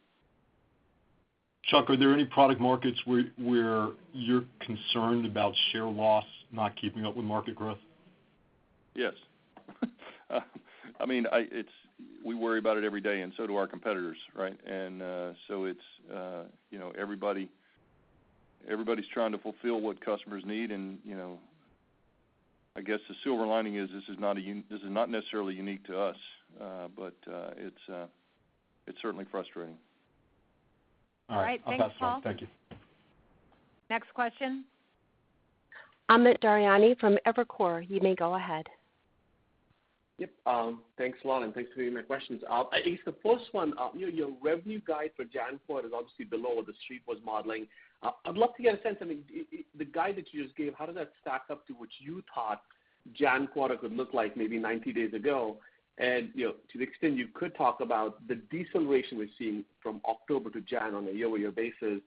Chuck, are there any product markets where you're concerned about share loss not keeping up with market growth? Yes. I mean, its—we worry about it every day, and so do our competitors, right? So it's, you know, everybody's trying to fulfill what customers need. You know, I guess the silver lining is this is not necessarily unique to us, but it's certainly frustrating. All right. I'll pass it on. All right. Thanks, Paul. Thank you. Next question. Amit Daryanani from Evercore, you may go ahead. Yep. Thanks a lot, and thanks for taking my questions. I guess the first one, you know, your revenue guide for January quarter is obviously below the Street was modeling. I'd love to get a sense, I mean, the guide that you just gave, how does that stack up to what you thought January quarter could look like maybe 90 days ago. You know, to the extent you could talk about the deceleration we've seen from October to January on a year-over-year basis,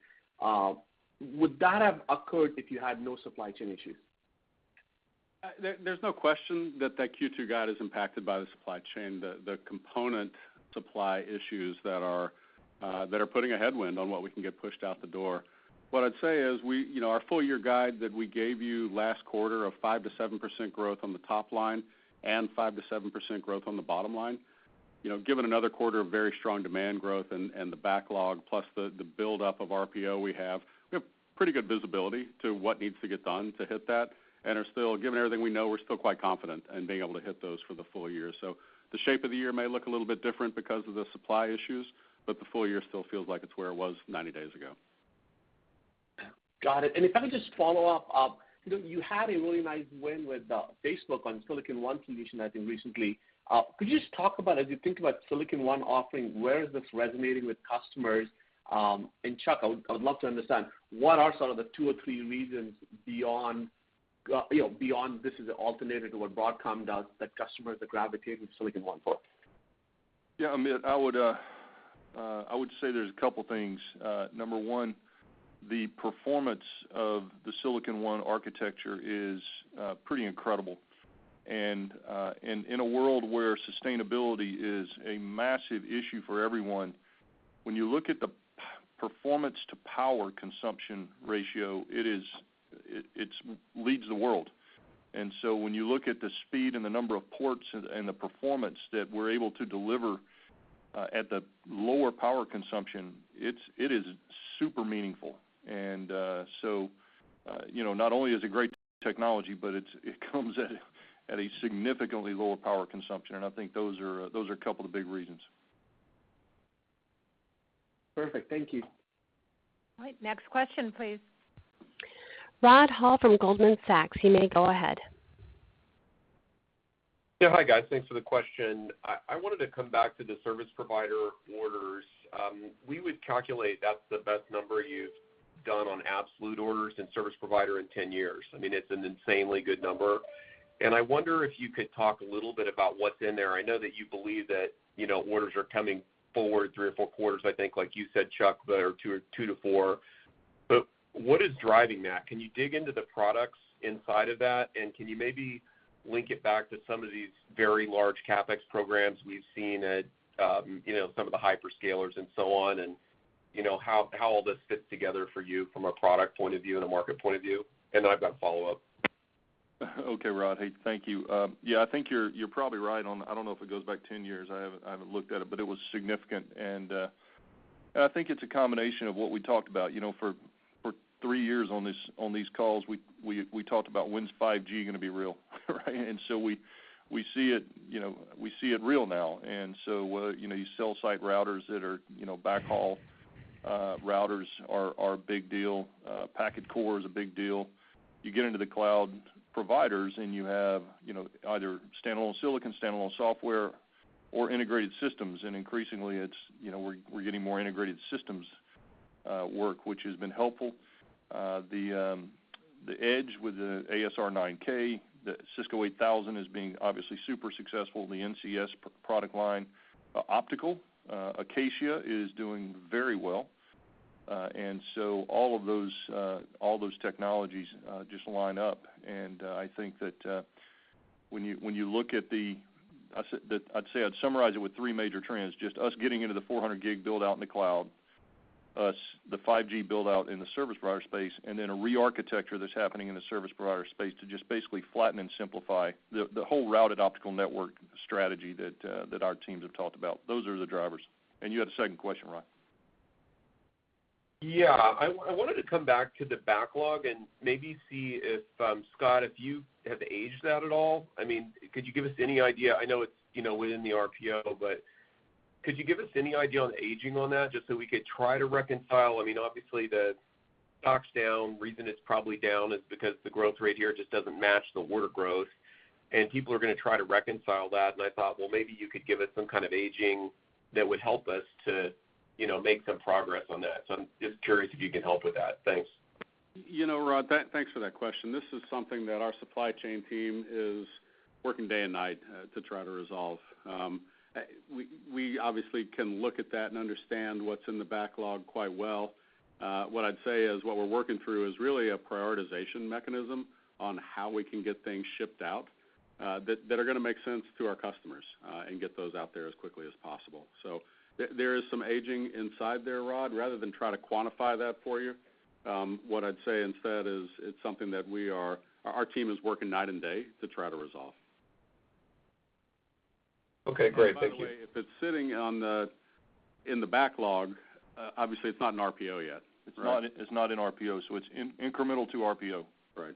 would that have occurred if you had no supply chain issues? There's no question that the Q2 guide is impacted by the supply chain, the component supply issues that are putting a headwind on what we can get pushed out the door. What I'd say is, you know, our full year guide that we gave you last quarter of 5%-7% growth on the top line and 5%-7% growth on the bottom line, you know, given another quarter of very strong demand growth and the backlog plus the buildup of RPO we have. We have pretty good visibility to what needs to get done to hit that and are still, given everything we know, we're still quite confident in being able to hit those for the full year. Sp the shape of the year may look a little bit different because of the supply issues, but the full year still feels like it's where it was 90 days ago. Got it. If I could just follow up, you know, you had a really nice win with Facebook on Silicon One solution, I think recently. Could you just talk about as you think about Silicon One offering, where is this resonating with customers? And Chuck, I would love to understand what are sort of the two or three reasons beyond this is an alternative to what Broadcom does that customers are gravitating to Silicon One for? Yeah, Amit, I would say there's a couple things. Number one, the performance of the Silicon One architecture is pretty incredible. And in a world where sustainability is a massive issue for everyone, when you look at the performance to power consumption ratio, it leads the world. And so, when you look at the speed and the number of ports and the performance that we're able to deliver at the lower power consumption, it is super meaningful. And so, you know, not only is it great technology, but it comes at a significantly lower power consumption. I think those are a couple of the big reasons. Perfect. Thank you. All right. Next question, please. Rod Hall from Goldman Sachs, you may go ahead. Yeah. Hi, guys. Thanks for the question. I wanted to come back to the service provider orders. We would calculate that's the best number you've done on absolute orders in service provider in 10 years. I mean, it's an insanely good number. I wonder if you could talk a little bit about what's in there. I know that you believe that, you know, orders are coming forward three or four quarters, I think, like you said, Chuck, or two to four. But what is driving that? Can you dig into the products inside of that? And can you maybe link it back to some of these very large CapEx programs we've seen at, you know, some of the hyperscalers and so on, and, you know, how all this fits together for you from a product point of view and a market point of view? And then I've got a follow-up. Okay, Rod. Hey, thank you. Yeah, I think you're probably right on. I don't know if it goes back 10 years. I haven't looked at it, but it was significant. I think it's a combination of what we talked about. You know, for three years on these calls, we talked about when's 5G gonna be real, right? And so we see it, you know, we see it real now. You know, these cell site routers that are backhaul routers are a big deal. Packet core is a big deal. You get into the cloud providers, and you have, you know, either standalone silicon, standalone software, or integrated systems. Increasingly, it's, you know, we're getting more integrated systems work, which has been helpful. The Edge with the ASR 9000, the Cisco 8000 is being obviously super successful. The NCS product line, optical, Acacia is doing very well. All of those technologies just line up. And I think that when you look at the—I'd say I'd summarize it with three major trends, just us getting into the 400G build out in the cloud, the 5G build out in the service provider space, and then a rearchitecture that's happening in the service provider space to just basically flatten and simplify the whole routed optical network strategy that our teams have talked about. Those are the drivers. You had a second question, Rod. Yeah. I wanted to come back to the backlog and maybe see if, Scott, if you have aged that at all. I mean, could you give us any idea? I know it's, you know, within the RPO, but could you give us any idea on aging on that just so we could try to reconcile? I mean, obviously, the stock's down. The reason it's probably down is because the growth rate here just doesn't match the order growth, and people are gonna try to reconcile that. I thought, well, maybe you could give us some kind of aging that would help us to, you know, make some progress on that. I'm just curious if you can help with that. Thanks. You know, Rod, thanks for that question. This is something that our supply chain team is working day and night to try to resolve. We obviously can look at that and understand what's in the backlog quite well. What I'd say is what we're working through is really a prioritization mechanism on how we can get things shipped out that are gonna make sense to our customers and get those out there as quickly as possible. So if there is some aging inside there, Rod. Rather than try to quantify that for you, what I'd say instead is it's something that we are—our team is working night and day to try to resolve. Okay, great. Thank you. And by the way, if it's sitting in the backlog, obviously it's not in RPO yet. Right. It's not in RPO, so it's incremental to RPO, right.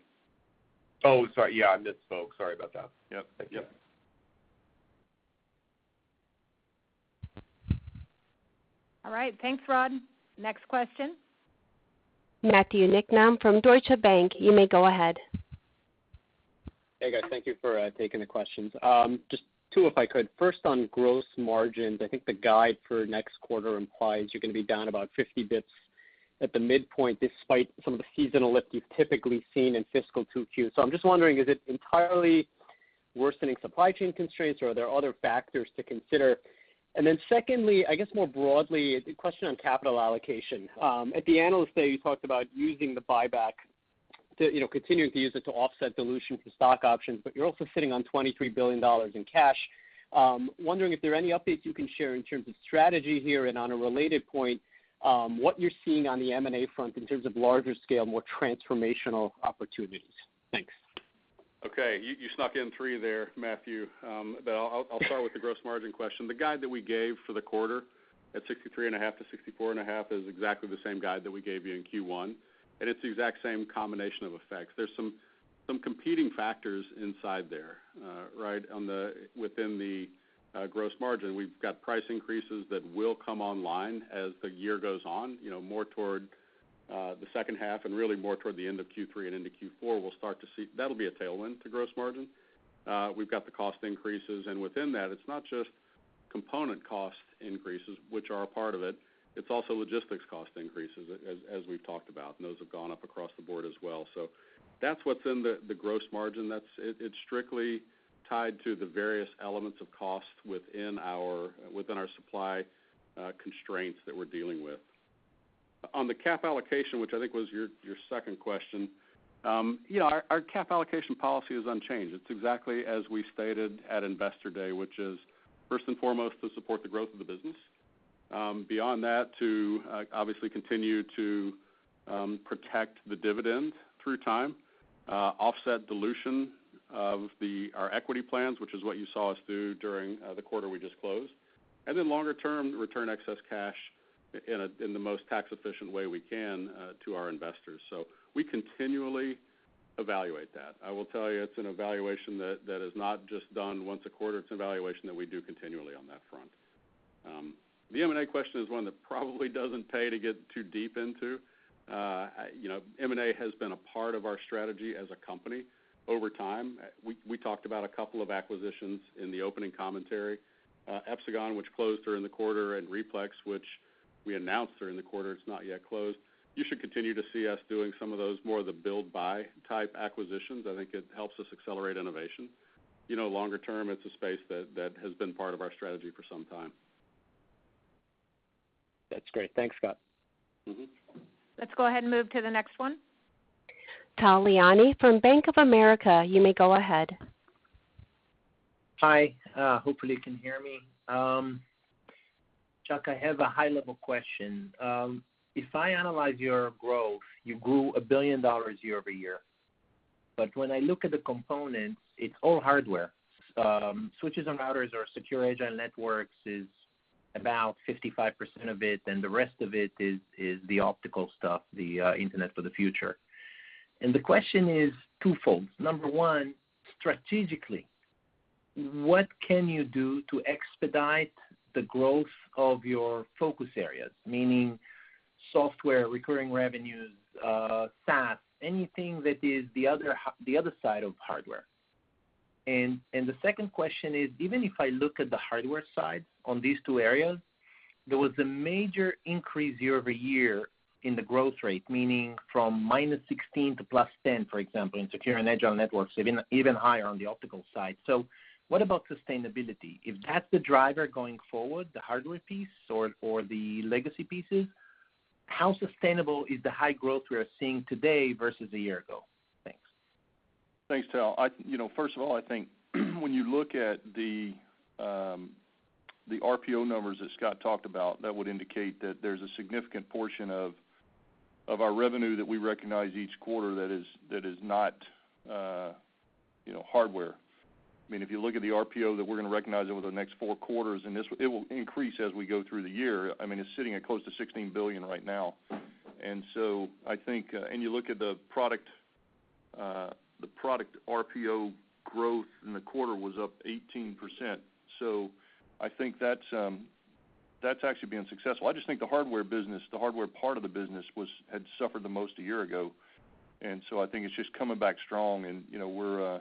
Oh, sorry. Yeah, I misspoke. Sorry about that. Yep. Thank you. All right. Thanks, Rod. Next question. Matthew Niknam from Deutsche Bank, you may go ahead. Hey, guys. Thank you for taking the questions. Just two, if I could. First, on gross margins, I think the guide for next quarter implies you're gonna be down about 50 basis points at the midpoint, despite some of the seasonal lift you've typically seen in fiscal 2Q. I'm just wondering, is it entirely worsening supply chain constraints, or are there other factors to consider? Secondly, I guess more broadly, a question on capital allocation. At the Investor Day, you talked about using the buyback to, you know, continuing to use it to offset dilution for stock options, but you're also sitting on $23 billion in cash. Wondering if there are any updates you can share in terms of strategy here, and on a related point, what you're seeing on the M&A front in terms of larger scale, more transformational opportunities. Thanks. Okay. You snuck in three there, Matthew, but I'll start with the gross margin question. The guide that we gave for the quarter at 63.5%-64.5% is exactly the same guide that we gave you in Q1, and it's the exact same combination of effects. There's some competing factors inside there, right within the gross margin. We've got price increases that will come online as the year goes on, you know, more toward the second half and really more toward the end of Q3 and into Q4, we'll start to see. That'll be a tailwind to gross margin. We've got the cost increases, and within that, it's not just component cost increases, which are a part of it's also logistics cost increases as we've talked about, and those have gone up across the board as well. So that's what's in the gross margin. It's strictly tied to the various elements of cost within our supply constraints that we're dealing with. On the capital allocation, which I think was your second question, yeah, our cap allocation policy is unchanged. It's exactly as we stated at Investor Day, which is first and foremost to support the growth of the business. Beyond that to obviously continue to protect the dividend through time, offset dilution of our equity plans, which is what you saw us do during the quarter we just closed, and then longer term, return excess cash in the most tax-efficient way we can to our investors. So we continually evaluate that. I will tell you it's an evaluation that is not just done once a quarter. It's an evaluation that we do continually on that front. The M&A question is one that probably doesn't pay to get too deep into. You know, M&A has been a part of our strategy as a company over time. We talked about a couple of acquisitions in the opening commentary. Epsagon, which closed during the quarter, and replex, which we announced during the quarter, it's not yet closed. You should continue to see us doing some of those more of the build buy type acquisitions. I think it helps us accelerate innovation. You know, longer term, it's a space that has been part of our strategy for some time. That's great. Thanks, Scott. Mm-hmm. Let's go ahead and move to the next one. Tal Liani from Bank of America, you may go ahead. Hi. Hopefully you can hear me. Chuck, I have a high-level question. If I analyze your growth, you grew $1 billion year-over-year. But when I look at the components, it's all hardware. Switches and routers or Secure, Agile Networks is about 55% of it, and the rest of it is the optical stuff, the Internet for the Future. The question is twofold. Number one, strategically, what can you do to expedite the growth of your focus areas? Meaning software, recurring revenues, SaaS, anything that is the other side of hardware. And the second question is, even if I look at the hardware side on these two areas, there was a major increase year-over-year in the growth rate, meaning from -16% to +10%, for example, in Secure, Agile Networks, even higher on the optical side. What about sustainability? If that's the driver going forward, the hardware piece or the legacy pieces, how sustainable is the high growth we are seeing today versus a year ago? Thanks. Thanks, Tal. You know, first of all, I think when you look at the RPO numbers that Scott talked about, that would indicate that there's a significant portion of our revenue that we recognize each quarter that is not, you know, hardware. I mean, if you look at the RPO that we're gonna recognize over the next four quarters, it will increase as we go through the year. I mean, it's sitting at close to $16 billion right now. And so I think—and you look at the product, the product RPO growth in the quarter was up 18%. So I think that's actually been successful. I just think the hardware business, the hardware part of the business had suffered the most a year ago. So I think it's just coming back strong and, you know,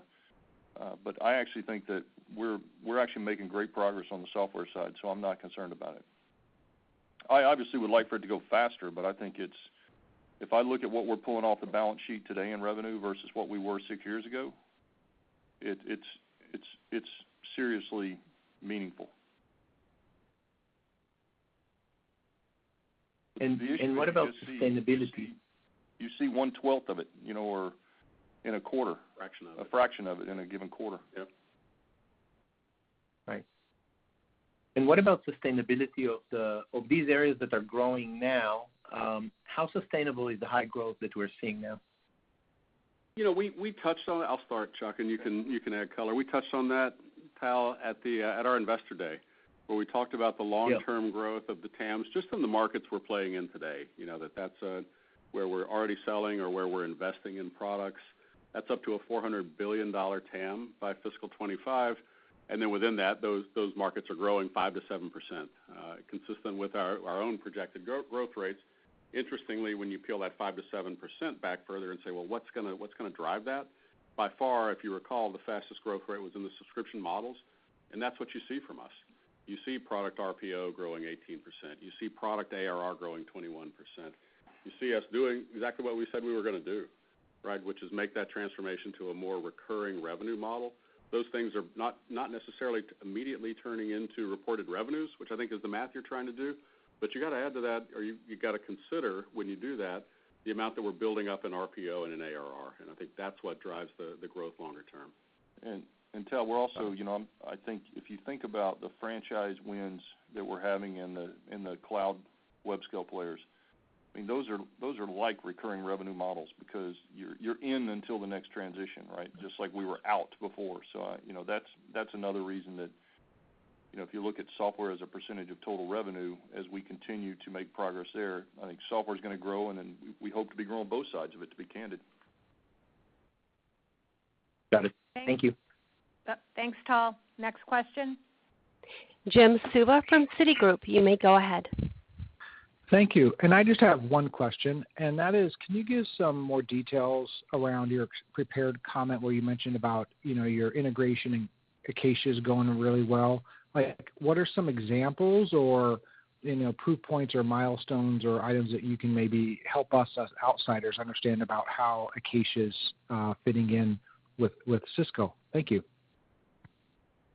but I actually think that we're actually making great progress on the software side, so I'm not concerned about it. I obviously would like for it to go faster, but I think it's—if I look at what we're pulling off the balance sheet today in revenue versus what we were six years ago, it's seriously meaningful. And what about sustainability? You see 1/12 of it, you know, or in a quarter. Fraction of it. A fraction of it in a given quarter. Yep. Right. What about sustainability of the—these areas that are growing now? How sustainable is the high growth that we're seeing now? You know, we touched on it. I'll start, Chuck, and you can add color. We touched on that, Tal, at our Investor Day, where we talked about the long-term growth of the TAMs, just in the markets we're playing in today. You know, that's where we're already selling or where we're investing in products. That's up to a $400 billion TAM by fiscal 2025. Then within that, those markets are growing 5%-7%, consistent with our own projected growth rates. Interestingly, when you peel that 5%-7% back further and say, "Well, what's gonna drive that?" By far, if you recall, the fastest growth rate was in the subscription models, and that's what you see from us. You see product RPO growing 18%. You see product ARR growing 21%. You see us doing exactly what we said we were gonna do, right? Which is make that transformation to a more recurring revenue model. Those things are not necessarily immediately turning into reported revenues, which I think is the math you're trying to do. You gotta add to that, or you gotta consider when you do that, the amount that we're building up in RPO and in ARR, and I think that's what drives the growth longer term. And Tal, we're also, you know, I think if you think about the franchise wins that we're having in the cloud web scale players, I mean, those are like recurring revenue models because you're in until the next transition, right? Just like we were out before. So, you know, that's another reason that, you know, if you look at software as a percentage of total revenue, as we continue to make progress there, I think software's gonna grow and then we hope to be growing both sides of it, to be candid. Got it. Thank you. Thanks, Tal. Next question. Jim Suva from Citigroup, you may go ahead. Thank you. Can I just have one question, and that is, can you give some more details around your prepared comment where you mentioned about, you know, your integration in Acacia is going really well. Like, what are some examples or, you know, proof points or milestones or items that you can maybe help us as outsiders understand about how Acacia's fitting in with Cisco? Thank you.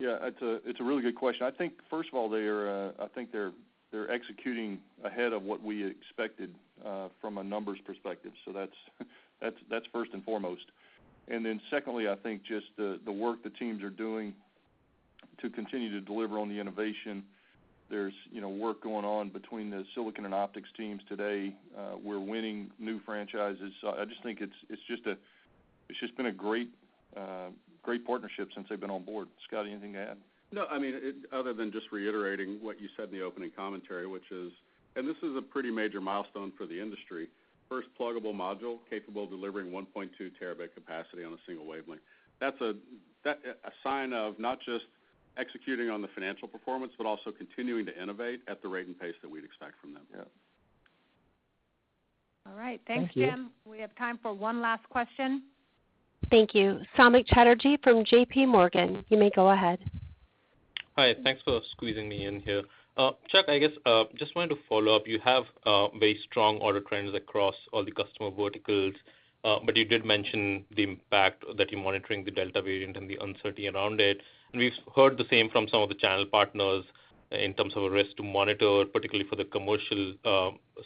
Yeah, it's a really good question. I think first of all, they're executing ahead of what we expected from a numbers perspective. That's first and foremost. And then secondly, I think just the work the teams are doing to continue to deliver on the innovation. There's, you know, work going on between the silicon and optics teams today. We're winning new franchises. So I just think it's just been a great partnership since they've been on board. Scott, anything to add? No, I mean, other than just reiterating what you said in the opening commentary, which is a pretty major milestone for the industry. First pluggable module capable of delivering 1.2 Tb capacity on a single wavelength. That's a sign of not just executing on the financial performance, but also continuing to innovate at the rate and pace that we'd expect from them. Yeah. All right. Thanks, Jim. Thank you. We have time for one last question. Thank you. Samik Chatterjee from JPMorgan, you may go ahead. Hi. Thanks for squeezing me in here. Chuck, I guess, just wanted to follow up. You have very strong order trends across all the customer verticals. But you did mention the impact that you're monitoring the Delta variant and the uncertainty around it. We've heard the same from some of the channel partners in terms of a risk to monitor, particularly for the commercial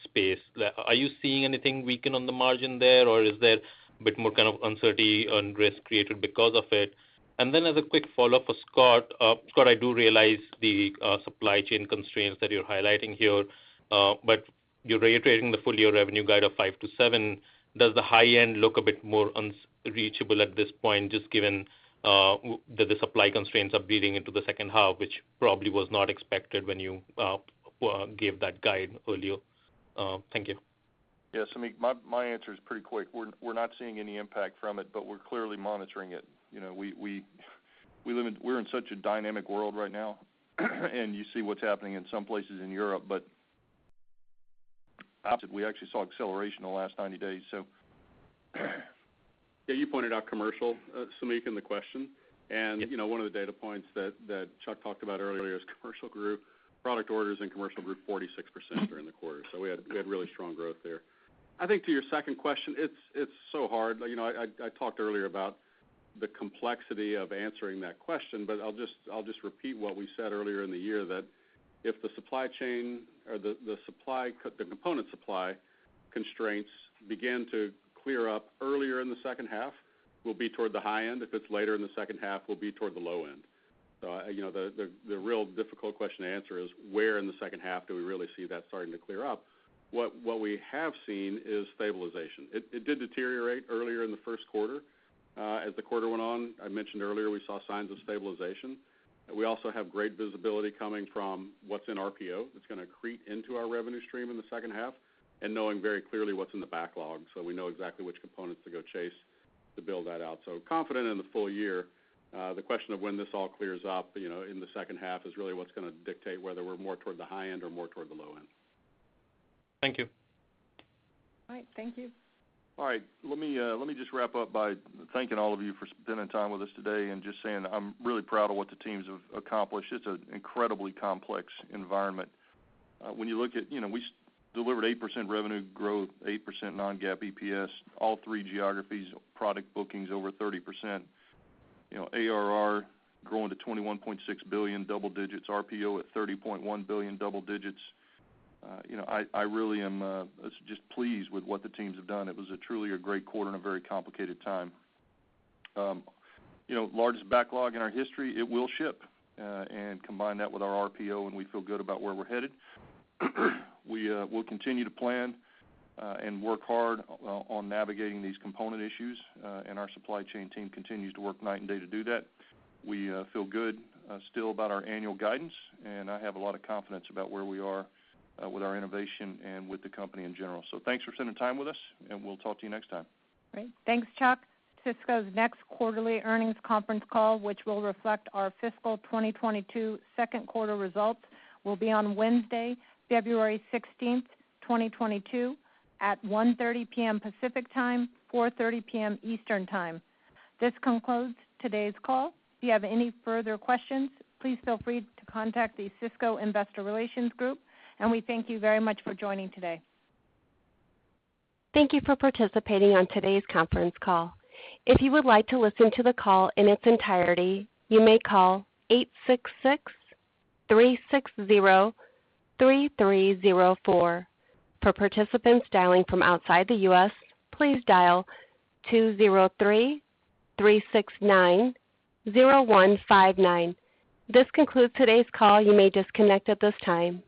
space. Are you seeing anything weaken on the margin there, or is there a bit more kind of uncertainty and risk created because of it? As a quick follow-up for Scott. Scott, I do realize the supply chain constraints that you're highlighting here, but you're reiterating the full-year revenue guide of 5%-7%. Does the high end look a bit more unreachable at this point, just given that the supply constraints are bleeding into the second half, which probably was not expected when you gave that guide earlier? Thank you. Yeah, Samik, my answer is pretty quick. We're not seeing any impact from it, but we're clearly monitoring it. You know, we're in such a dynamic world right now, and you see what's happening in some places in Europe, but we actually saw acceleration in the last 90 days, so. Yeah, you pointed out commercial, Samik, in the question. You know, one of the data points that Chuck talked about earlier is commercial group product orders in commercial group, 46% during the quarter. We had really strong growth there. I think to your second question, it's so hard. You know, I talked earlier about the complexity of answering that question, but I'll just repeat what we said earlier in the year that if the supply chain or the supply—the component supply constraints begin to clear up earlier in the second half, we'll be toward the high end. If it's later in the second half, we'll be toward the low end. So, you know, the real difficult question to answer is where in the second half do we really see that starting to clear up? What we have seen is stabilization. It did deteriorate earlier in the first quarter. As the quarter went on, I mentioned earlier, we saw signs of stabilization. We also have great visibility coming from what's in RPO, that's gonna accrete into our revenue stream in the second half and knowing very clearly what's in the backlog. So we know exactly which components to go chase to build that out. So confident in the full year. The question of when this all clears up, you know, in the second half is really what's gonna dictate whether we're more toward the high end or more toward the low end. Thank you. All right. Thank you. All right. Let me just wrap up by thanking all of you for spending time with us today and just saying I'm really proud of what the teams have accomplished. It's an incredibly complex environment. When you look at, you know, we delivered 8% revenue growth, 8% non-GAAP EPS, all three geographies, product bookings over 30%. You know, ARR growing to $21.6 billion, double-digits. RPO at $30.1 billion, double-digits. You know, I really am just pleased with what the teams have done. It was truly a great quarter and a very complicated time. You know, largest backlog in our history. It will ship, and combine that with our RPO, and we feel good about where we're headed. We will continue to plan and work hard on navigating these component issues, and our supply chain team continues to work night and day to do that. We feel good still about our annual guidance, and I have a lot of confidence about where we are with our innovation and with the company in general. So thanks for spending time with us, and we'll talk to you next time. Great. Thanks, Chuck. Cisco's next quarterly earnings conference call, which will reflect our fiscal 2022 second quarter results, will be on Wednesday, February 16, 2022, at 1:30 P.M. Pacific Time, 4:30 P.M. Eastern Time. This concludes today's call. If you have any further questions, please feel free to contact the Cisco Investor Relations group, and we thank you very much for joining today. Thank you for participating on today's conference call. If you would like to listen to the call in its entirety, you may call 866-360-3304. For participants dialing from outside the U.S., please dial 203-369-0159. This concludes today's call. You may disconnect at this time.